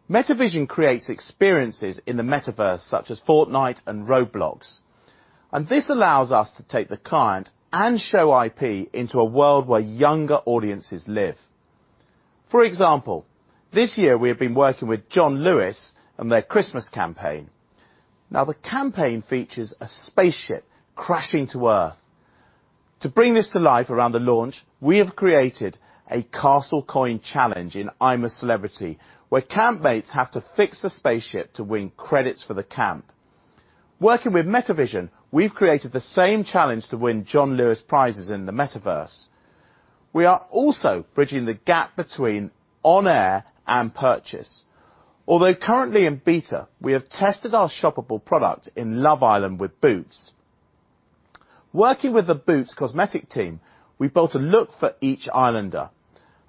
Metavision creates experiences in the Metaverse such as Fortnite and Roblox, and this allows us to take the client and show IP into a world where younger audiences live. For example, this year we have been working with John Lewis on their Christmas campaign. Now the campaign features a spaceship crashing to Earth. To bring this to life around the launch, we have created a castle coin challenge in I'm a Celebrity, where camp mates have to fix a spaceship to win credits for the camp. Working with Metavision, we've created the same challenge to win John Lewis prizes in the Metaverse. We are also bridging the gap between on air and purchase. Although currently in beta, we have tested our shoppable product in Love Island with Boots. Working with the Boots cosmetic team, we built a look for each Islander.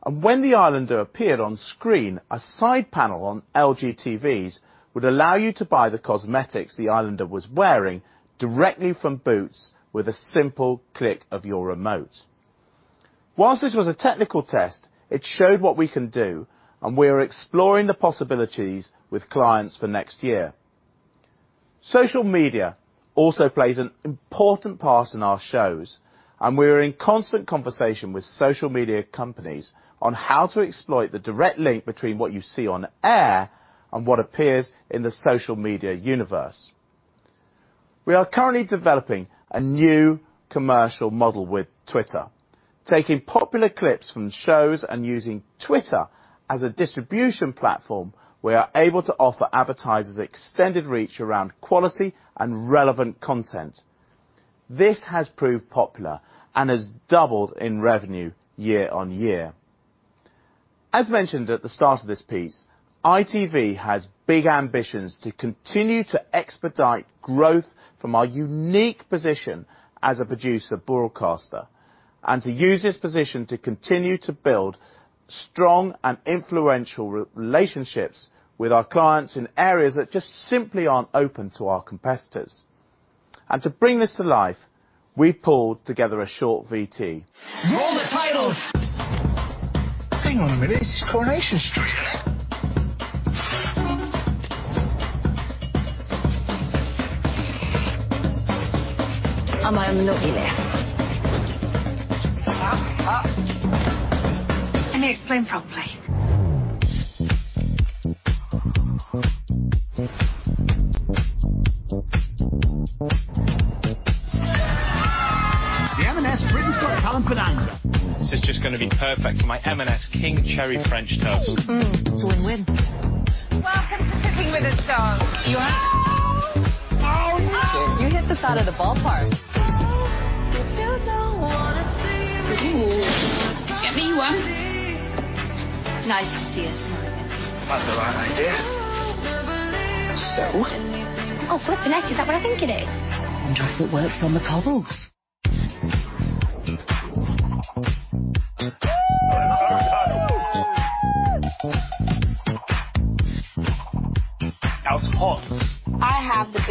When the Islander appeared on screen, a side panel on LG TVs would allow you to buy the cosmetics the Islander was wearing directly from Boots with a simple click of your remote. While this was a technical test, it showed what we can do, and we are exploring the possibilities with clients for next year. Social media also plays an important part in our shows, and we are in constant conversation with social media companies on how to exploit the direct link between what you see on air, and what appears in the social media universe. We are currently developing a new commercial model with Twitter. Taking popular clips from shows and using Twitter as a distribution platform, we are able to offer advertisers extended reach around quality and relevant content. This has proved popular and has doubled in revenue year-over-year. As mentioned at the start of this piece, ITV has big ambitions to continue to expedite growth from our unique position as a producer-broadcaster and to use this position to continue to build strong and influential relationships with our clients in areas that just simply aren't open to our competitors. To bring this to life, we pulled together a short VT.
Roll the titles. Hang on a minute, this is Coronation Street. Am I a naughty nurse? Can you explain properly. The M&S Britain's Got Talent finale. This is just gonna be perfect for my M&S king cherry French toast. Mm, it's win-win. Welcome to Cooking with the Stars. You what? You hit this out of the ballpark. If you don't wanna see me. Ooh. Get me one. Nice to see you smile again. Had the right idea. So? Oh, flipping heck, is that what I think it is? Wonder if it works on the cobbles.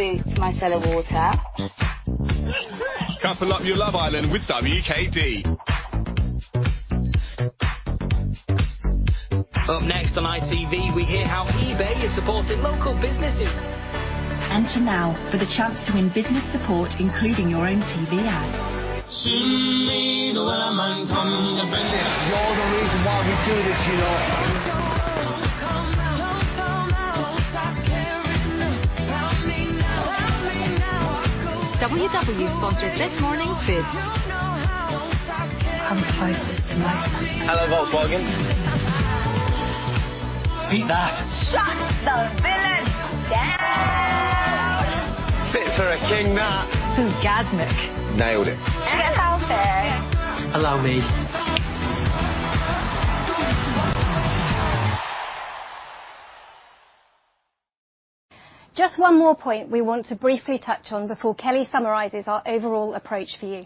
Out of pots. I have the boots, my fellow warrior. Couple up your Love Island with WKD. Up next on ITV, we hear how eBay is supporting local businesses. Enter now for the chance to win business support, including your own TV ad. You're the reason why we do this, you know. Don't go, don't come out. Don't start caring about me now. WW sponsors This Morning fit. Come close to. [inaudible] Hello, Volkswagen. Beat that. Shut the villains down. Fit for a king, that. Boogasmic. Nailed it. To get out there. Allow me.
Just one more point we want to briefly touch on before Kelly summarizes our overall approach for you.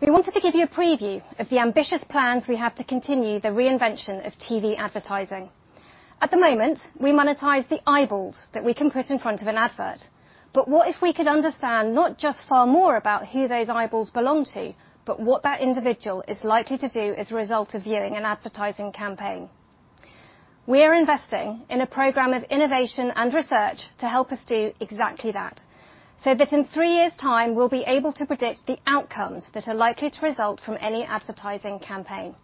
We wanted to give you a preview of the ambitious plans we have to continue the reinvention of TV advertising. At the moment, we monetize the eyeballs that we can put in front of an advert. What if we could understand not just far more about who those eyeballs belong to, but what that individual is likely to do as a result of viewing an advertising campaign? We are investing in a program of innovation and research to help us do exactly that, so that in three years' time, we'll be able to predict the outcomes that are likely to result from any advertising campaign.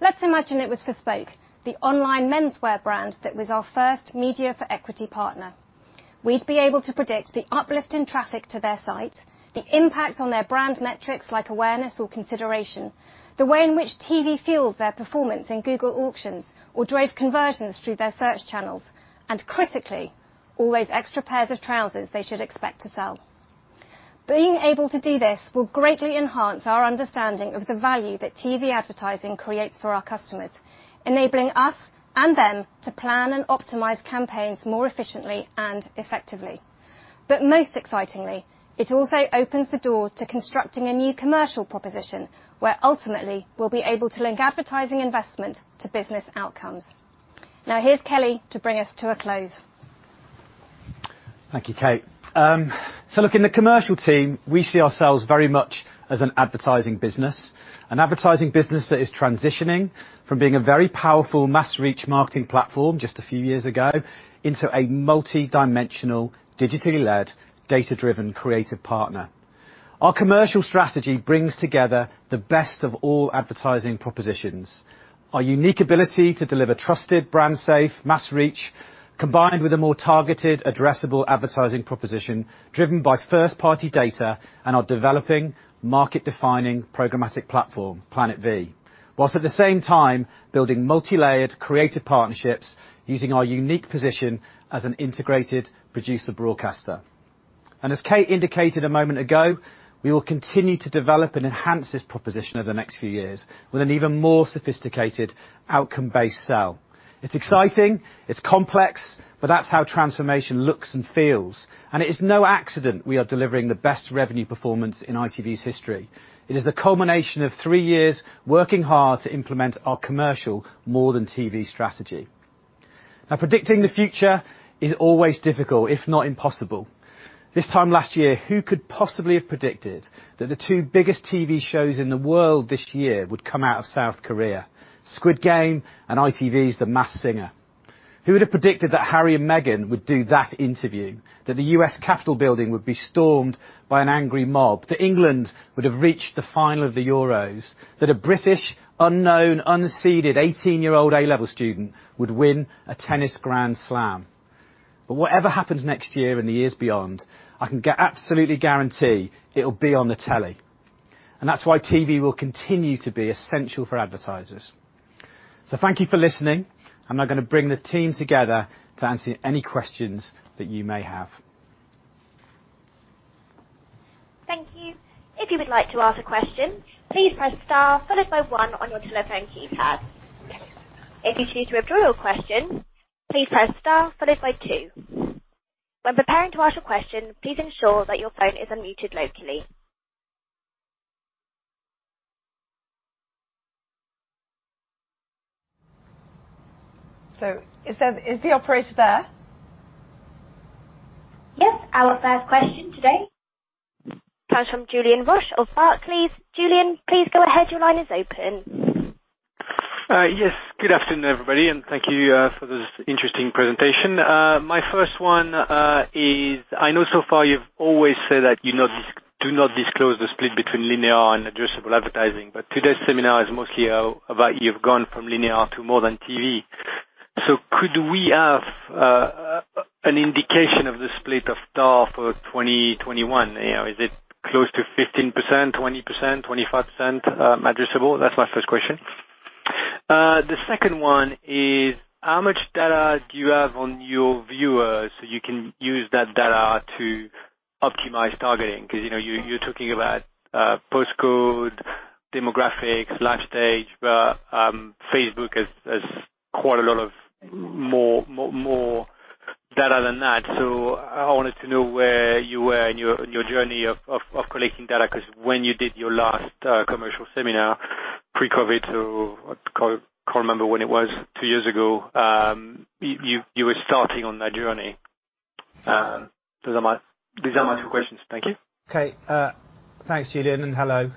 Let's imagine it was SPOKE, the online menswear brand that was our first media for equity partner. We'd be able to predict the uplift in traffic to their site, the impact on their brand metrics, like awareness or consideration, the way in which TV fueled their performance in Google auctions, or drove conversions through their search channels, and critically, all those extra pairs of trousers they should expect to sell. Being able to do this will greatly enhance our understanding of the value that TV advertising creates for our customers, enabling us and them to plan and optimize campaigns more efficiently and effectively. Most excitingly, it also opens the door to constructing a new commercial proposition, where ultimately we'll be able to link advertising investment to business outcomes. Now here's Kelly to bring us to a close.
Thank you, Kate. So look, in the commercial team, we see ourselves very much as an advertising business, an advertising business that is transitioning from being a very powerful mass reach marketing platform just a few years ago into a multidimensional, digitally led, data-driven creative partner. Our commercial strategy brings together the best of all advertising propositions. Our unique ability to deliver trusted brand safe mass reach, combined with a more targeted addressable advertising proposition driven by first party data and our developing market defining programmatic platform, Planet V, while at the same time building multi-layered creative partnerships using our unique position as an integrated producer broadcaster. As Kate indicated a moment ago, we will continue to develop and enhance this proposition over the next few years with an even more sophisticated outcome-based sell. It's exciting, it's complex, but that's how transformation looks and feels, and it is no accident we are delivering the best revenue performance in ITV's history. It is the culmination of three years working hard to implement our commercial More Than TV strategy. Now, predicting the future is always difficult, if not impossible. This time last year, who could possibly have predicted that the two biggest TV shows in the world this year would come out of South Korea, Squid Game and ITV's The Masked Singer? Who would have predicted that Harry and Meghan would do that interview? That the U.S. Capitol Building would be stormed by an angry mob? That England would have reached the final of the Euros? That a British unknown, unseeded 18-year-old A-level student would win a Tennis Grand Slam? Whatever happens next year and the years beyond, I can absolutely guarantee it'll be on the telly, and that's why TV will continue to be essential for advertisers. Thank you for listening. I'm now gonna bring the team together to answer any questions that you may have.
If you would like to ask a question, please press star followed by one on your telephone keypad. If you choose to withdraw your question, please press star followed by two. When preparing to ask a question, please ensure that your phone is unmuted locally.
Is the operator there?
Yes. Our first question today comes from Julien Roch of Barclays. Julien, please go ahead. Your line is open.
Yes. Good afternoon, everybody, and thank you for this interesting presentation. My first one is, I know so far you've always said that you do not disclose the split between linear and addressable advertising. Today's seminar is mostly about you've gone from linear to More Than TV. Could we have an indication of the split as of 2021? You know, is it close to 15%, 20%, 25% addressable? That's my first question. The second one is, how much data do you have on your viewers, so you can use that data to optimize targeting? 'Cause, you know, you're talking about postcode, demographics, life stage, but Facebook has quite a lot more data than that. I wanted to know where you were in your journey of collecting data, 'cause when you did your last commercial seminar pre-COVID. I can't remember when it was, two years ago, you were starting on that journey. Those are my two questions. Thank you.
Okay. Thanks, Julien. Hello.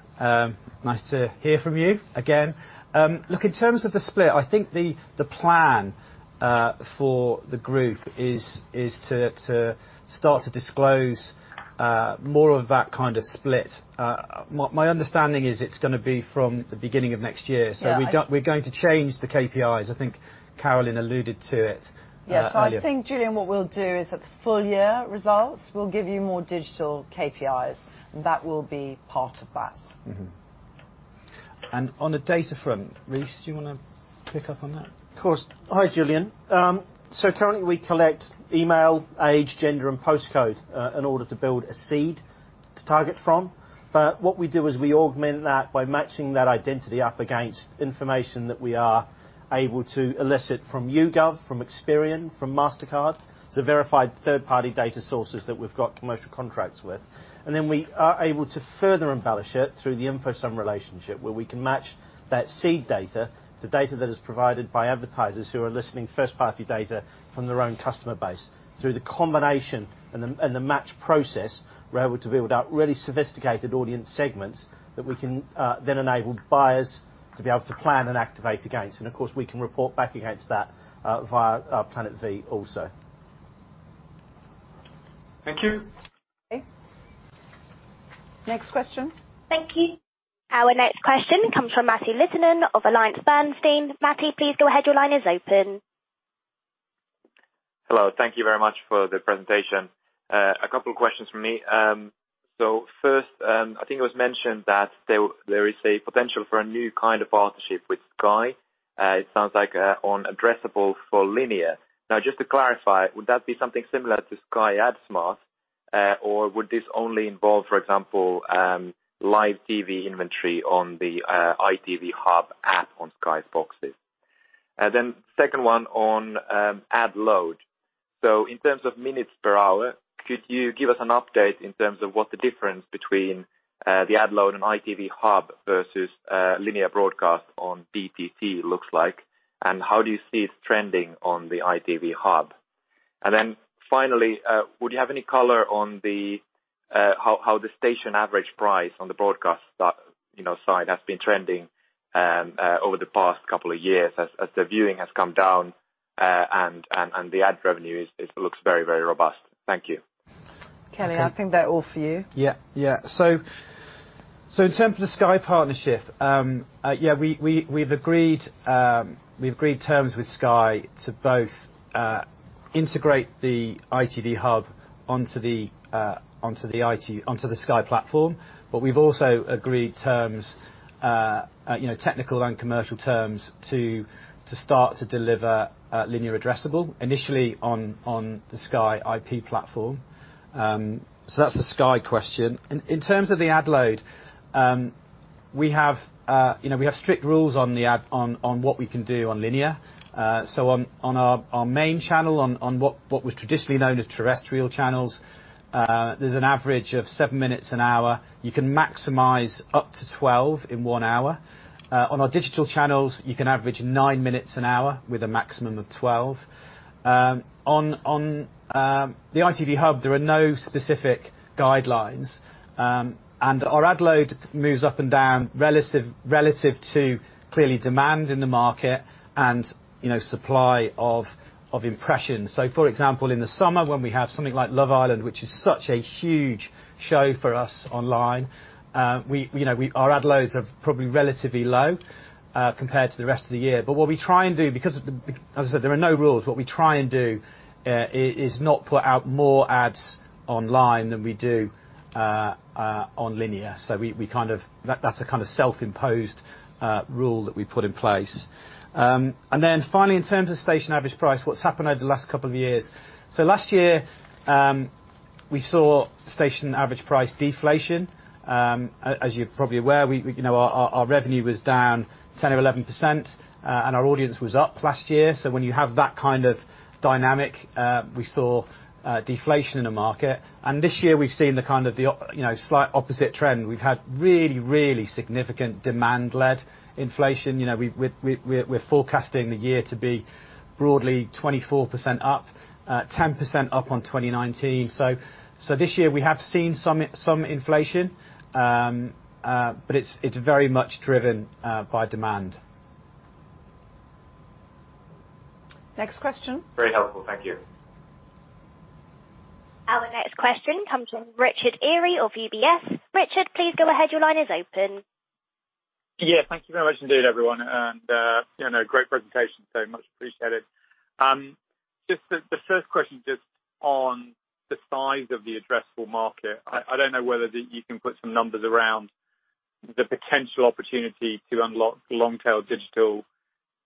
Nice to hear from you again. Look, in terms of the split, I think the plan for the group is to start to disclose more of that kind of split. My understanding is it's gonna be from the beginning of next year.
Yeah.
We're going to change the KPIs. I think Carolyn alluded to it earlier.
Yes. I think, Julien, what we'll do is at the full year results, we'll give you more digital KPIs, and that will be part of that.
On the data front, Rhys, do you wanna pick up on that?
Of course. Hi, Julien. So currently we collect email, age, gender, and postcode in order to build a seed to target from. What we do is we augment that by matching that identity up against information that we are able to elicit from YouGov, from Experian, from Mastercard, so verified third-party data sources that we've got commercial contracts with. We are able to further embellish it through the InfoSum relationship, where we can match that seed data, to data that is provided by advertisers who are listening first-party data from their own customer base. Through the combination and the match process, we're able to build out really sophisticated audience segments that we can, then enable buyers to be able to plan and activate against. Of course, we can report back against that via Planet V also.
Thank you.
Okay. Next question.
Thank you. Our next question comes from Matti Littunen of AllianceBernstein. Matti, please go ahead. Your line is open.
Hello. Thank you very much for the presentation. A couple questions from me. So first, I think it was mentioned that there is a potential for a new kind of partnership with Sky. It sounds like on addressable for linear. Now, just to clarify, would that be something similar to Sky AdSmart, or would this only involve, for example, live TV inventory on the ITV Hub app on Sky's boxes? Then second one on ad load. So, in terms of minutes per hour, could you give us an update in terms of what the difference between the ad load on ITV Hub versus linear broadcast on ITV looks like, and how do you see it trending on the ITV Hub? Finally, would you have any color on how the station average price on the broadcast, you know, side has been trending over the past couple of years, as the viewing has come down and the ad revenue, it looks very robust? Thank you.
Kelly.
Okay.
I think they're all for you.
In terms of the Sky partnership, we've agreed terms with Sky to both integrate the ITV Hub onto the Sky platform, but we've also agreed terms, you know, technical and commercial terms to start to deliver linear addressable initially on the Sky IP platform. That's the Sky question. In terms of the ad load, we have, you know, we have strict rules on the ad load on what we can do on linear. On our main channel, on what was traditionally known as terrestrial channels, there's an average of seven minutes an hour. You can maximize up to 12 in one hour. On our digital channels, you can average nine minutes an hour with a maximum of 12. On the ITV Hub, there are no specific guidelines. Our ad load moves up and down relative to clear demand in the market and, you know, supply of impressions. For example, in the summer when we have something like Love Island, which is such a huge show for us online, we, you know, our ad loads are probably relatively low compared to the rest of the year. What we try and do, because as I said, there are no rules, is not put out more ads online than we do on linear. We kind of. That's a kind of self-imposed rule that we put in place. Finally, in terms of station average price, what's happened over the last couple of years? Last year, we saw station average price deflation. As you're probably aware, you know, our revenue was down 10% or 11%, and our audience was up last year. When you have that kind of dynamic, we saw deflation in the market. This year we've seen you know, slight opposite trend. We've had really significant demand-led inflation. We're forecasting the year to be broadly 24% up, 10% up on 2019. This year we have seen some inflation, but it's very much driven by demand.
Next question.
Very helpful. Thank you.
Our next question comes from Richard Eary of UBS. Richard, please go ahead. Your line is open.
Yeah. Thank you very much indeed, everyone. You know, great presentation. Much appreciated. Just the first question just on the size of the addressable market. I don't know whether you can put some numbers around the potential opportunity to unlock long tail digital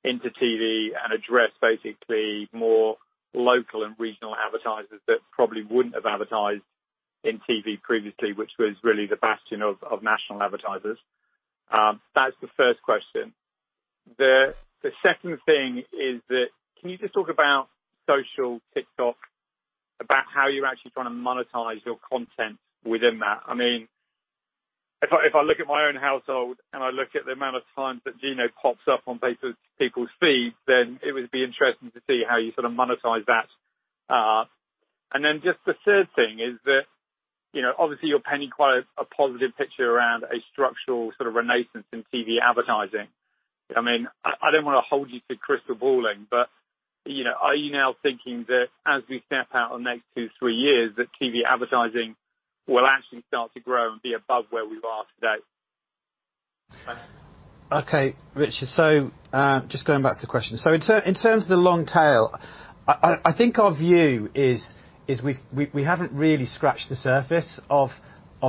into TV and address basically more local and regional advertisers that probably wouldn't have advertised in TV previously, which was really the bastion of national advertisers. That's the first question. The second thing is that can you just talk about social, TikTok, about how you're actually trying to monetize your content within that? I mean, if I look at my own household, and I look at the amount of times that Gino pops up on people's feeds, then it would be interesting to see how you sort of monetize that. Just the third thing is that, you know, obviously you're painting quite a positive picture around a structural sort of renaissance in TV advertising. I mean, I don't wanna hold you to crystal balling, but, you know, are you now thinking that as we step out on the next two, three years, that TV advertising will actually start to grow and be above where we are today?
Okay, Richard. Just going back to the question. In terms of the long tail, I think our view is we haven't really scratched the surface of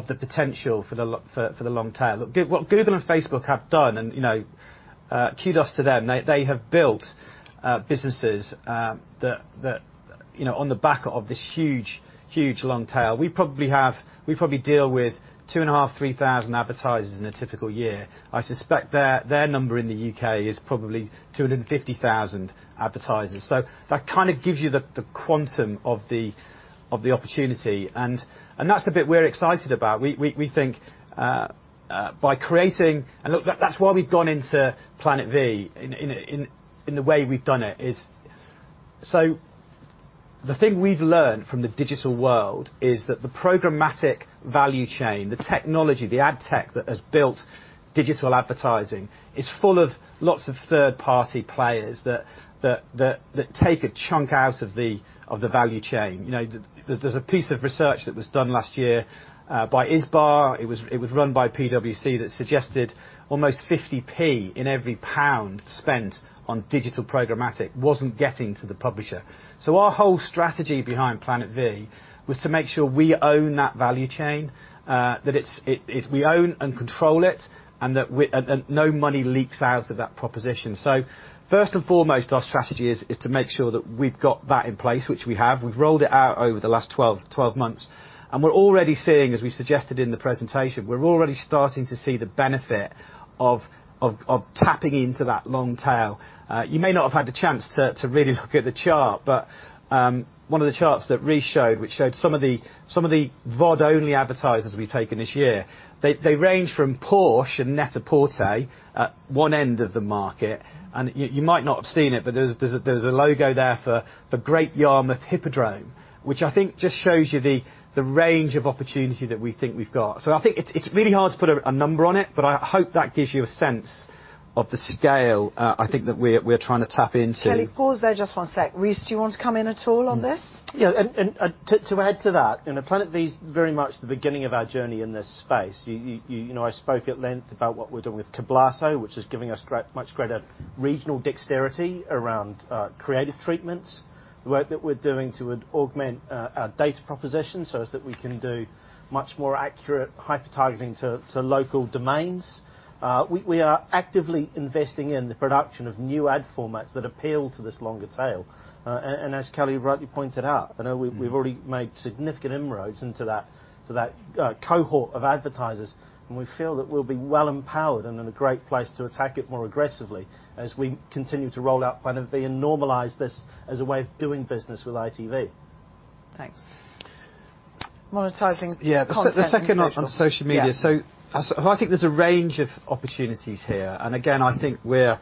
the potential for the long tail. Look, what Google and Facebook have done, you know, kudos to them. They have built businesses that you know on the back of this huge long tail. We probably deal with 2,500-3,000 advertisers in a typical year. I suspect their number in the U.K. is probably 250,000 advertisers. That kind of gives you the quantum of the opportunity. That's the bit we're excited about. We think by creating... Look, that's why we've gone into Planet V in the way we've done it. The thing we've learned from the digital world is that the programmatic value chain, the technology, the ad tech that has built digital advertising is full of lots of third-party players that take a chunk out of the value chain. You know, there's a piece of research that was done last year by ISBA. It was run by PwC that suggested almost £0.50 in every pound spent on digital programmatic wasn't getting to the publisher. Our whole strategy behind Planet V was to make sure we own that value chain. It's we own and control it, and no money leaks out of that proposition. First and foremost, our strategy is to make sure that we've got that in place, which we have. We've rolled it out over the last 12 months. We're already seeing, as we suggested in the presentation, we're already starting to see the benefit of tapping into that long tail. You may not have had the chance to really look at the chart, but one of the charts that Rhys showed, which showed some of the VOD-only advertisers we've taken this year, they range from Porsche and NET-A-PORTER at one end of the market. You might not have seen it, but there's a logo there for Great Yarmouth Hippodrome, which I think just shows you the range of opportunity that we think we've got. I think it's really hard to put a number on it, but I hope that gives you a sense of the scale. I think that we're trying to tap into.
Kelly, pause there just one sec. Rhys, do you want to come in at all on this?
To add to that, you know, Planet V is very much the beginning of our journey in this space. You know, I spoke at length about what we're doing with Cablato, which is giving us much greater regional dexterity around creative treatments. The work that we're doing to augment our data proposition, so that we can do much more accurate hyper targeting to local domains. We are actively investing in the production of new ad formats that appeal to this long tail. As Kelly rightly pointed out, you know, we've already made significant inroads into that cohort of advertisers. We feel that we'll be well empowered and in a great place to attack it more aggressively as we continue to roll out Planet V and normalize this as a way of doing business with ITV.
Thanks. Monetizing content.
Yeah. The second on social media.
Yeah.
I think there's a range of opportunities here. I think we're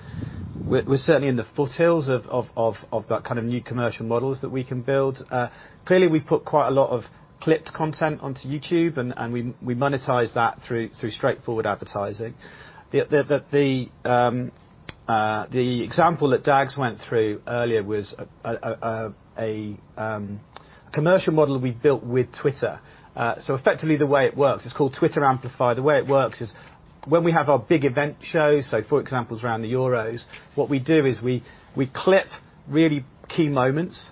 certainly in the foothills of that kind of new commercial models that we can build. Clearly, we've put quite a lot of clipped content onto YouTube, and we monetize that through straightforward advertising. The example that Dags went through earlier was a commercial model we built with Twitter. Effectively, the way it works, it's called Twitter Amplify. The way it works is when we have our big event shows, for example, around the Euros, what we do is we clip really key moments.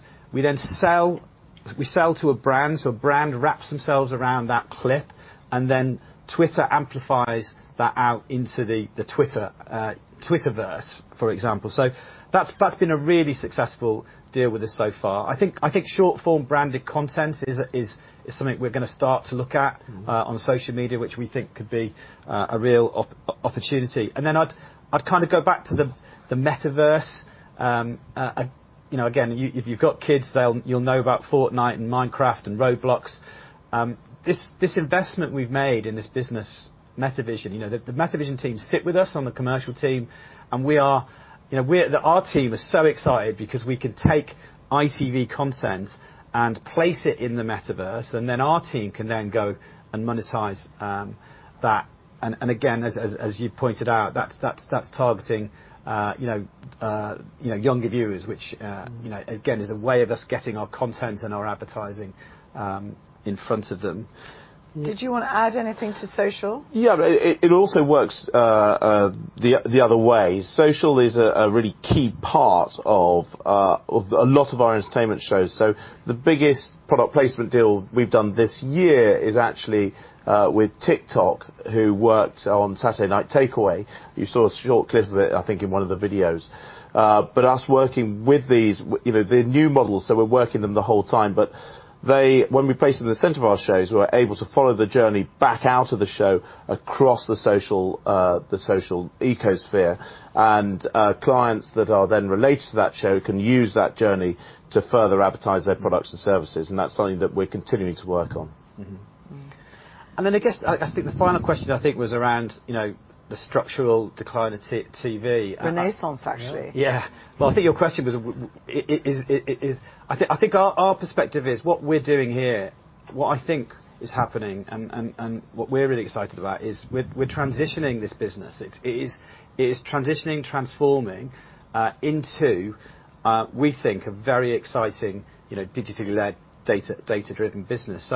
We sell to a brand, so a brand wraps themselves around that clip, and then Twitter amplifies that out into the Twitterverse, for example. That's been a really successful deal with us so far. I think short-form branded content is something we're gonna start to look at.
Mm-hmm.
on social media, which we think could be a real opportunity. Then I'd kind of go back to the Metaverse. Again, if you've got kids, they'll know about Fortnite and Minecraft and Roblox. This investment we've made in this business, Metavision, you know, the Metavision team sit with us on the commercial team, and our team is so excited because we can take ITV content and place it in the Metaverse, and then our team can then go and monetize that. Again, as you pointed out, that's targeting you know, you know, younger viewers, which you know, again, is a way of us getting our content and our advertising in front of them.
Did you wanna add anything to social?
Yeah. It also works the other way. Social is a really key part of a lot of our entertainment shows. The biggest product placement deal we've done this year is actually with TikTok, who worked on Saturday Night Takeaway. You saw a short clip of it, I think, in one of the videos. Us working with these, you know, they're new models, so we're working them the whole time. When we place them in the center of our shows, we're able to follow the journey back out of the show across the social ecosystem. Clients that are then related to that show can use that journey to further advertise their products and services, and that's something that we're continuing to work on.
Mm-hmm.
I guess, I think the final question, I think, was around, you know, the structural decline of TV.
Renaissance, actually.
Yeah. Well, I think our perspective is what we're doing here, what I think is happening, and what we're really excited about is we're transitioning this business. It is transitioning, transforming into we think a very exciting, you know, digitally led data-driven business.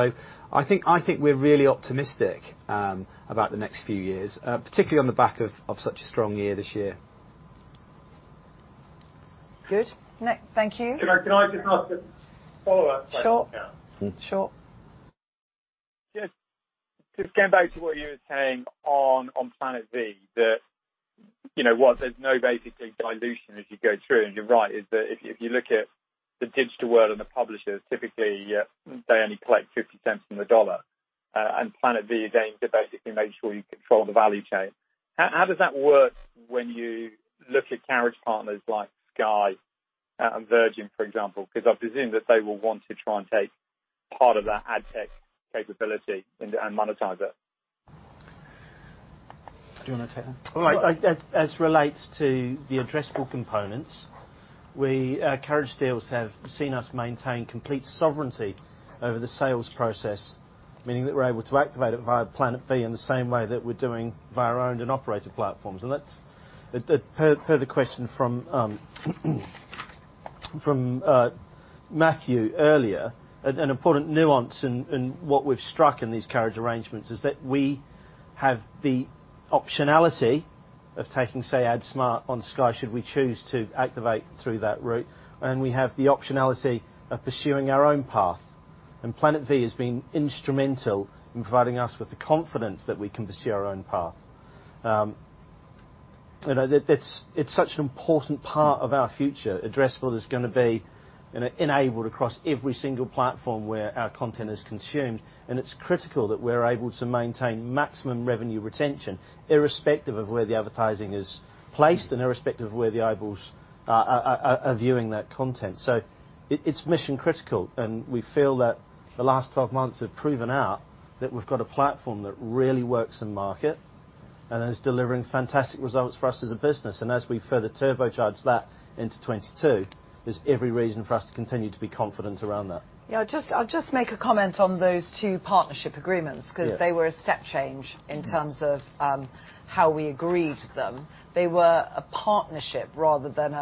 I think we're really optimistic about the next few years, particularly on the back of such a strong year this year.
Good. Thank you.
Can I just ask a follow-up question now?
Sure.
Mm.
Sure.
Just going back to what you were saying on Planet V, that you know there's no basically dilution as you go through, and you're right, is that if you look at the digital world and the publishers, typically, they only collect $0.50 cents on the dollar. Planet V, again, to basically make sure you control the value chain. How does that work when you look at carriage partners like Sky and Virgin, for example? 'Cause I presume that they will want to try and take part of that ad tech capability and monetize it.
Do you wanna take that?
As relates to the addressable components, our carriage deals have seen us maintain complete sovereignty over the sales process, meaning that we're able to activate it via Planet V in the same way that we're doing via our owned and operated platforms. That's per the question from Matti earlier, an important nuance in what we've struck in these carriage arrangements is that we have the optionality of taking, say, AdSmart on Sky should we choose to activate through that route, and we have the optionality of pursuing our own path. Planet V has been instrumental in providing us with the confidence that we can pursue our own path. You know, it's such an important part of our future. Addressable is gonna be enabled across every single platform where our content is consumed, and it's critical that we're able to maintain maximum revenue retention irrespective of where the advertising is placed and irrespective of where the eyeballs are viewing that content. It's mission critical, and we feel that the last 12 months have proven out that we've got a platform that really works in market and is delivering fantastic results for us as a business. As we further turbocharge that into 2022, there's every reason for us to continue to be confident around that.
Yeah. I'll just make a comment on those two partnership agreements.
Yeah.
'Cause they were a step-change in terms of how we agreed them. They were a partnership rather than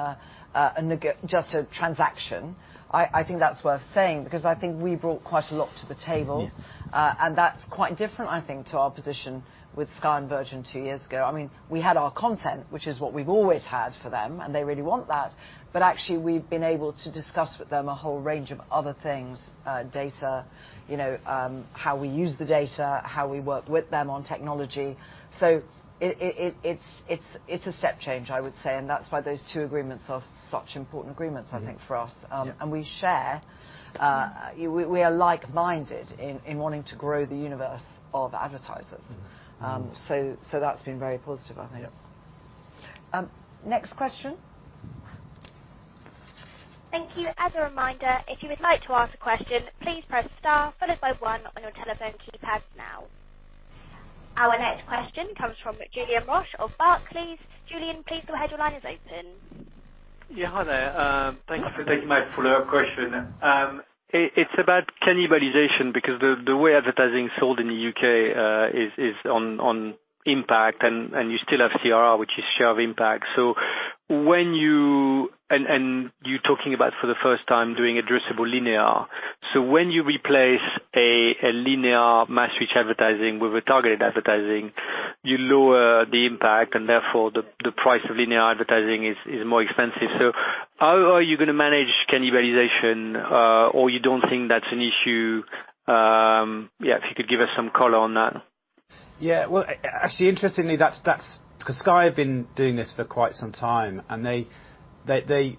just a transaction. I think that's worth saying because I think we brought quite a lot to the table.
Yeah.
That's quite different, I think, to our position with Sky and Virgin two years ago. I mean, we had our content, which is what we've always had for them, and they really want that. Actually we've been able to discuss with them a whole range of other things, data, you know, how we use the data, how we work with them on technology. It's a step change, I would say, and that's why those two agreements are such important agreements, I think, for us.
Yeah.
We are like-minded in wanting to grow the universe of advertisers.
Mm-hmm.
That's been very positive, I think.
Yeah.
Next question.
Thank you. As a reminder, if you would like to ask a question, please press star followed by one on your telephone keypad now. Our next question comes from Julien Roch of Barclays. Julien, please go ahead. Your line is open.
Yeah. Hi there. Thanks for taking my follow-up question. It's about cannibalization because the way advertising is sold in the U.K. is on impact and you still have CRR, which is share of impact. You're talking about for the first time doing addressable linear. When you replace a linear mass reach advertising with a targeted advertising, you lower the impact and therefore the price of linear advertising is more expensive. How are you gonna manage cannibalization, or you don't think that's an issue? Yeah, if you could give us some color on that.
Well, actually, interestingly, that's because Sky have been doing this for quite some time, and the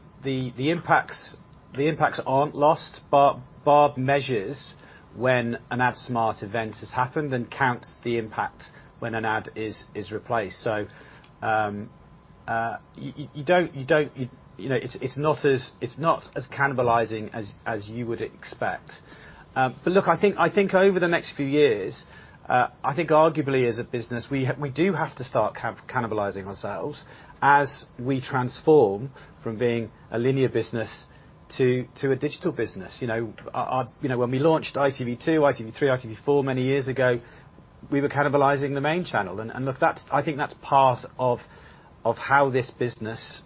impacts aren't lost, but Barb measures when an AdSmart event has happened and counts the impact when an ad is replaced. You know, it's not as cannibalizing as you would expect. Look, I think over the next few years, I think arguably as a business, we do have to start cannibalizing ourselves as we transform from being a linear business to a digital business. You know, when we launched ITV2, ITV3, ITV4 many years ago, we were cannibalizing the main channel. Look, that's I think that's part of how this business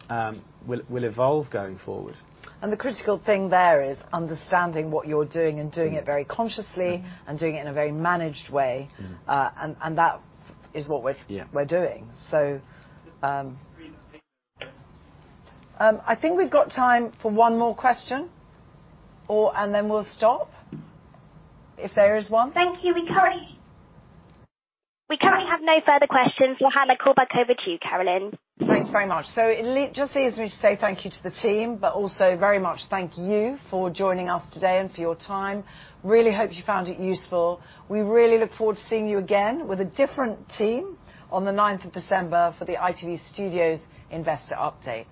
will evolve going forward.
The critical thing there is understanding what you're doing, and doing it very consciously, and doing it in a very managed way.
Mm-hmm.
That is what we're-
Yeah.
...we're doing. I think we've got time for one more question, or and then we'll stop. If there is one.
Thank you. We currently have no further questions. Johanna, call back over to you, Carolyn.
Thanks very much. It just leaves me to say thank you to the team, but also very much thank you for joining us today and for your time. I really hope you found it useful. We really look forward to seeing you again with a different team on the 9th of December for the ITV Studios investor update.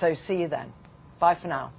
See you then. Bye for now.